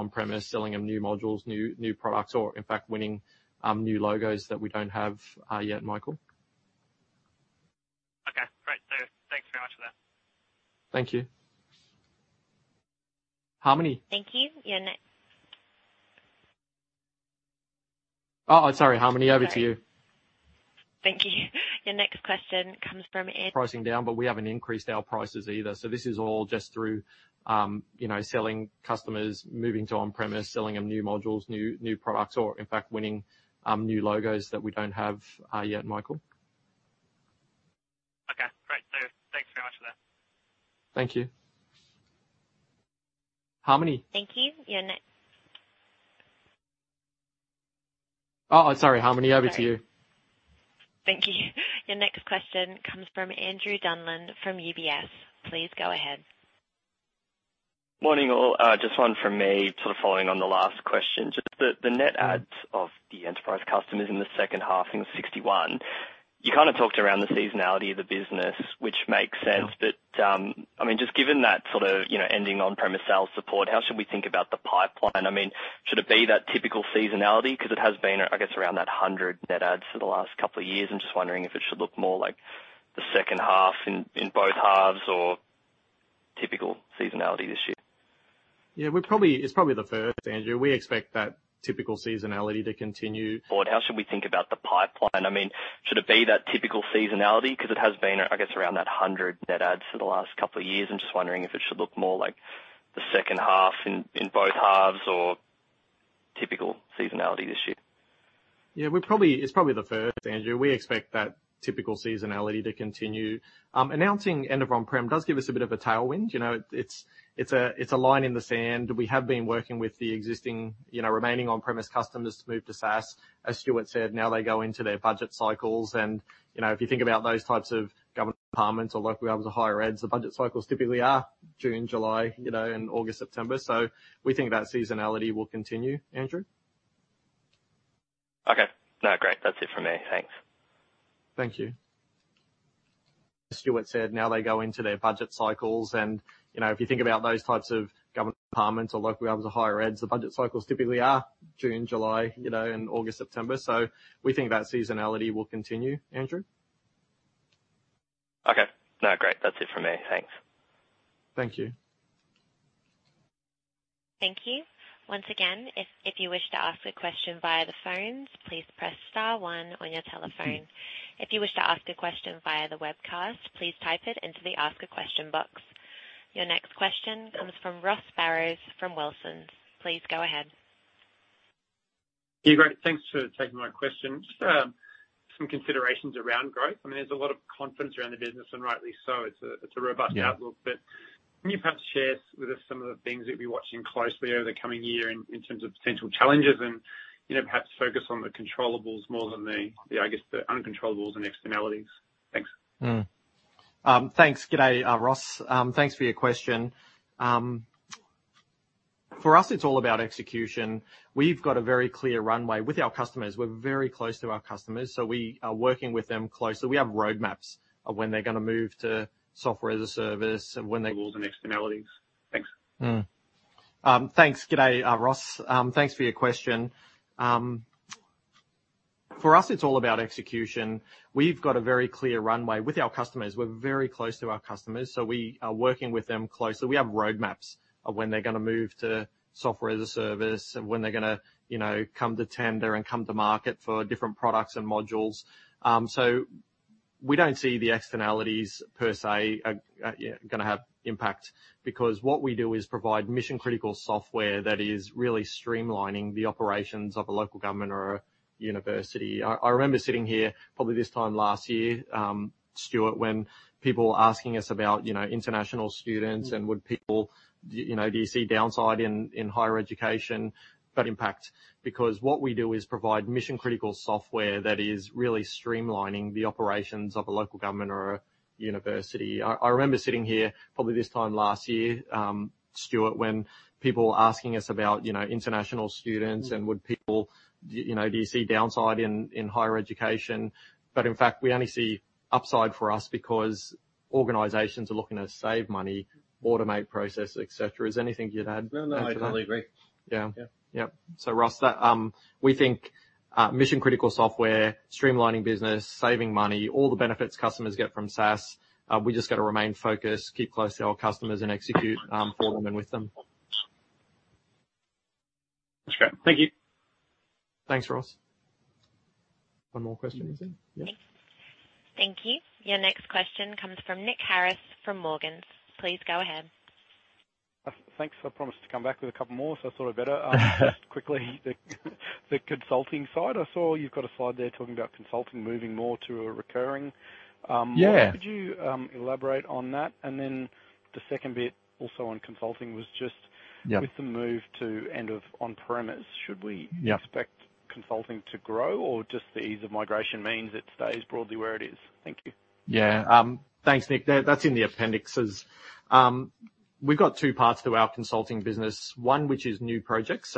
on-premise, selling them new modules, new products, or in fact, winning new logos that we don't have yet, Michael. Okay, great. Thanks very much for that. Thank you. Harmony? Thank you. Oh, sorry, Harmony. Over to you. Sorry. Thank you. Your next question comes from Andrew Donlan from UBS. Please go ahead. Morning, all. Just one from me, sort of following on the last question. Just the net adds of the enterprise customers in the second half in 61. You kinda talked around the seasonality of the business, which makes sense. I mean, just given that sort of, you know, ending on-premise sales support, how should we think about the pipeline? I mean, should it be that typical seasonality? 'Cause it has been, I guess, around that 100 net adds for the last couple of years. I'm just wondering if it should look more like the second half in both halves or typical seasonality this year. It's probably the first, Andrew. We expect that typical seasonality to continue. Announcing end of on-prem does give us a bit of a tailwind. You know, it's a line in the sand. We have been working with the existing, you know, remaining on-premise customers to move to SaaS. As Stuart said, now they go into their budget cycles and, you know, if you think about those types of government departments or local levels of higher eds, the budget cycles typically are June, July, you know, and August, September. We think that seasonality will continue, Andrew. Okay. No, great. That's it from me. Thanks. Thank you. Thank you. Once again, if you wish to ask a question via the phones, please press star one on your telephone. If you wish to ask a question via the webcast, please type it into the ask a question box. Your next question comes from Ross Barrows from Wilsons. Please go ahead. Yeah, great. Thanks for taking my question. Just, some considerations around growth. I mean, there's a lot of confidence around the business, and rightly so. It's a robust outlook. Yeah. Can you perhaps share with us some of the things that you'll be watching closely over the coming year in terms of potential challenges and, you know, perhaps focus on the controllables more than the, I guess, the uncontrollables and externalities? Thanks. Thanks. Good day, Ross. Thanks for your question. For us, it's all about execution. We've got a very clear runway with our customers. We're very close to our customers, so we are working with them closely. We have roadmaps of when they're gonna move to Software as a Service and when they're gonna, you know, come to tender and come to market for different products and modules. So we don't see the externalities per se are gonna have impact because what we do is provide mission-critical software that is really streamlining the operations of a local government or a university. I remember sitting here probably this time last year, Stuart, when people were asking us about, you know, international students and would people, you know, do you see downside in higher education. In fact, we only see upside for us because organizations are looking to save money, automate processes, et cetera. Is there anything you'd add? No, no, I totally agree. Yeah. Yeah. Yep. Ross, that we think mission-critical software, streamlining business, saving money, all the benefits customers get from SaaS, we just got to remain focused, keep close to our customers, and execute for them and with them. That's great. Thank you. Thanks, Ross. One more question, you said? Mm-hmm. Yeah. Thank you. Your next question comes from Nick Harris from Morgans. Please go ahead. Thanks. I promised to come back with a couple more, so I thought I better. Just quickly, the consulting side. I saw you've got a slide there talking about consulting moving more to a recurring, Yeah. Could you elaborate on that? The second bit also on consulting was just- With the move to end of on-premise, should we? Yeah. Do you expect consulting to grow or just the ease of migration means it stays broadly where it is? Thank you. Thanks, Nick. That's in the appendices. We've got two parts to our consulting business. One which is new projects.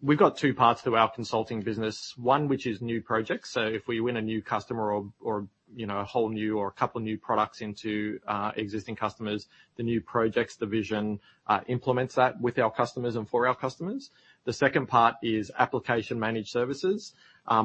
If we win a new customer or, you know, a whole new or a couple of new products into existing customers, the new projects division implements that with our customers and for our customers. The second part is Application Managed Services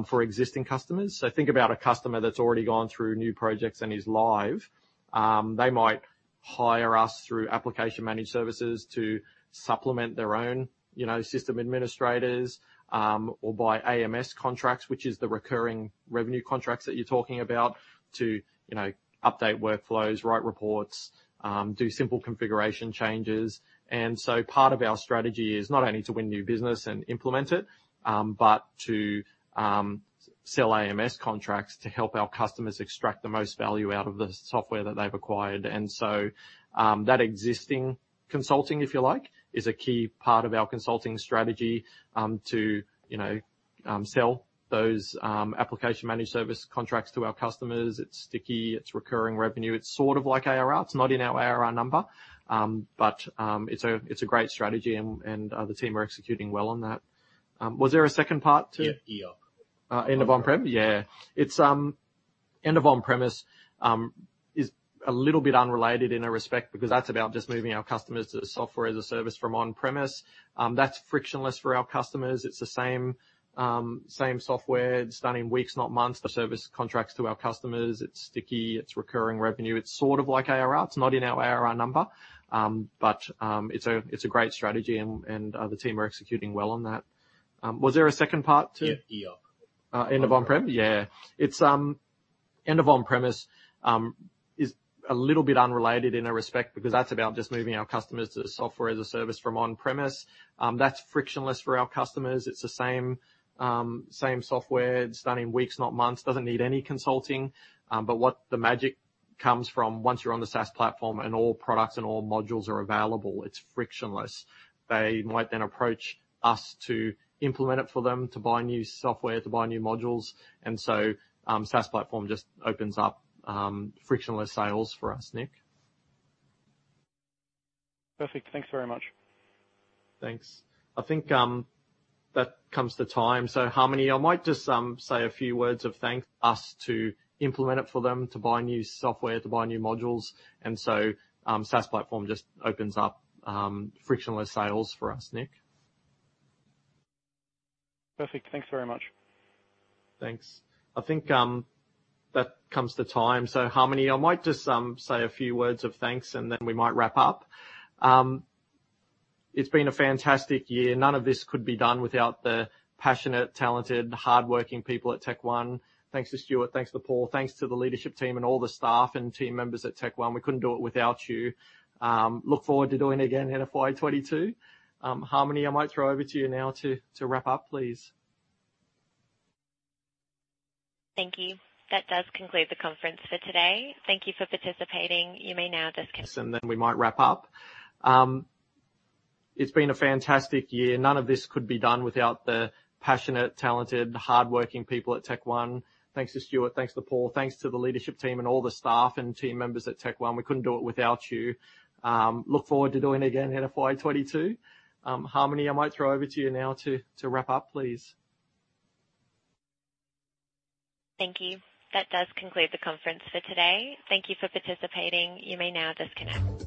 for existing customers. Think about a customer that's already gone through new projects and is live. They might hire us through Application Managed Services to supplement their own, you know, system administrators or buy AMS contracts, which is the recurring revenue contracts that you're talking about to, you know, update workflows, write reports, do simple configuration changes. Part of our strategy is not only to win new business and implement it, but to sell AMS contracts to help our customers extract the most value out of the software that they've acquired. That existing consulting, if you like, is a key part of our consulting strategy, to you know, sell those Application Managed Service contracts to our customers. It's sticky, it's recurring revenue. It's sort of like ARR. It's not in our ARR number. But it's a great strategy and the team are executing well on that. Was there a second part to- Yeah, EOP. End of on-prem? It's end of on-premise is a little bit unrelated in a respect because that's about just moving our customers to software as a service from on-premise. That's frictionless for our customers. It's the same software. It's done in weeks, not months. Doesn't need any consulting. But what the magic comes from once you're on the SaaS platform and all products and all modules are available, it's frictionless. They might then approach us to implement it for them to buy new software, to buy new modules. SaaS platform just opens up frictionless sales for us, Nick. Perfect. Thanks very much. Thanks. I think that comes to time. Harmony, I might just say a few words of thanks and then we might wrap up. It's been a fantastic year. None of this could be done without the passionate, talented, hardworking people at TechOne. Thanks to Stuart, thanks to Paul, thanks to the leadership team and all the staff and team members at TechOne. We couldn't do it without you. Look forward to doing it again in FY 2022. Harmony, I might throw over to you now to wrap up, please. Thank you. That does conclude the conference for today. Thank you for participating. You may now disconnect.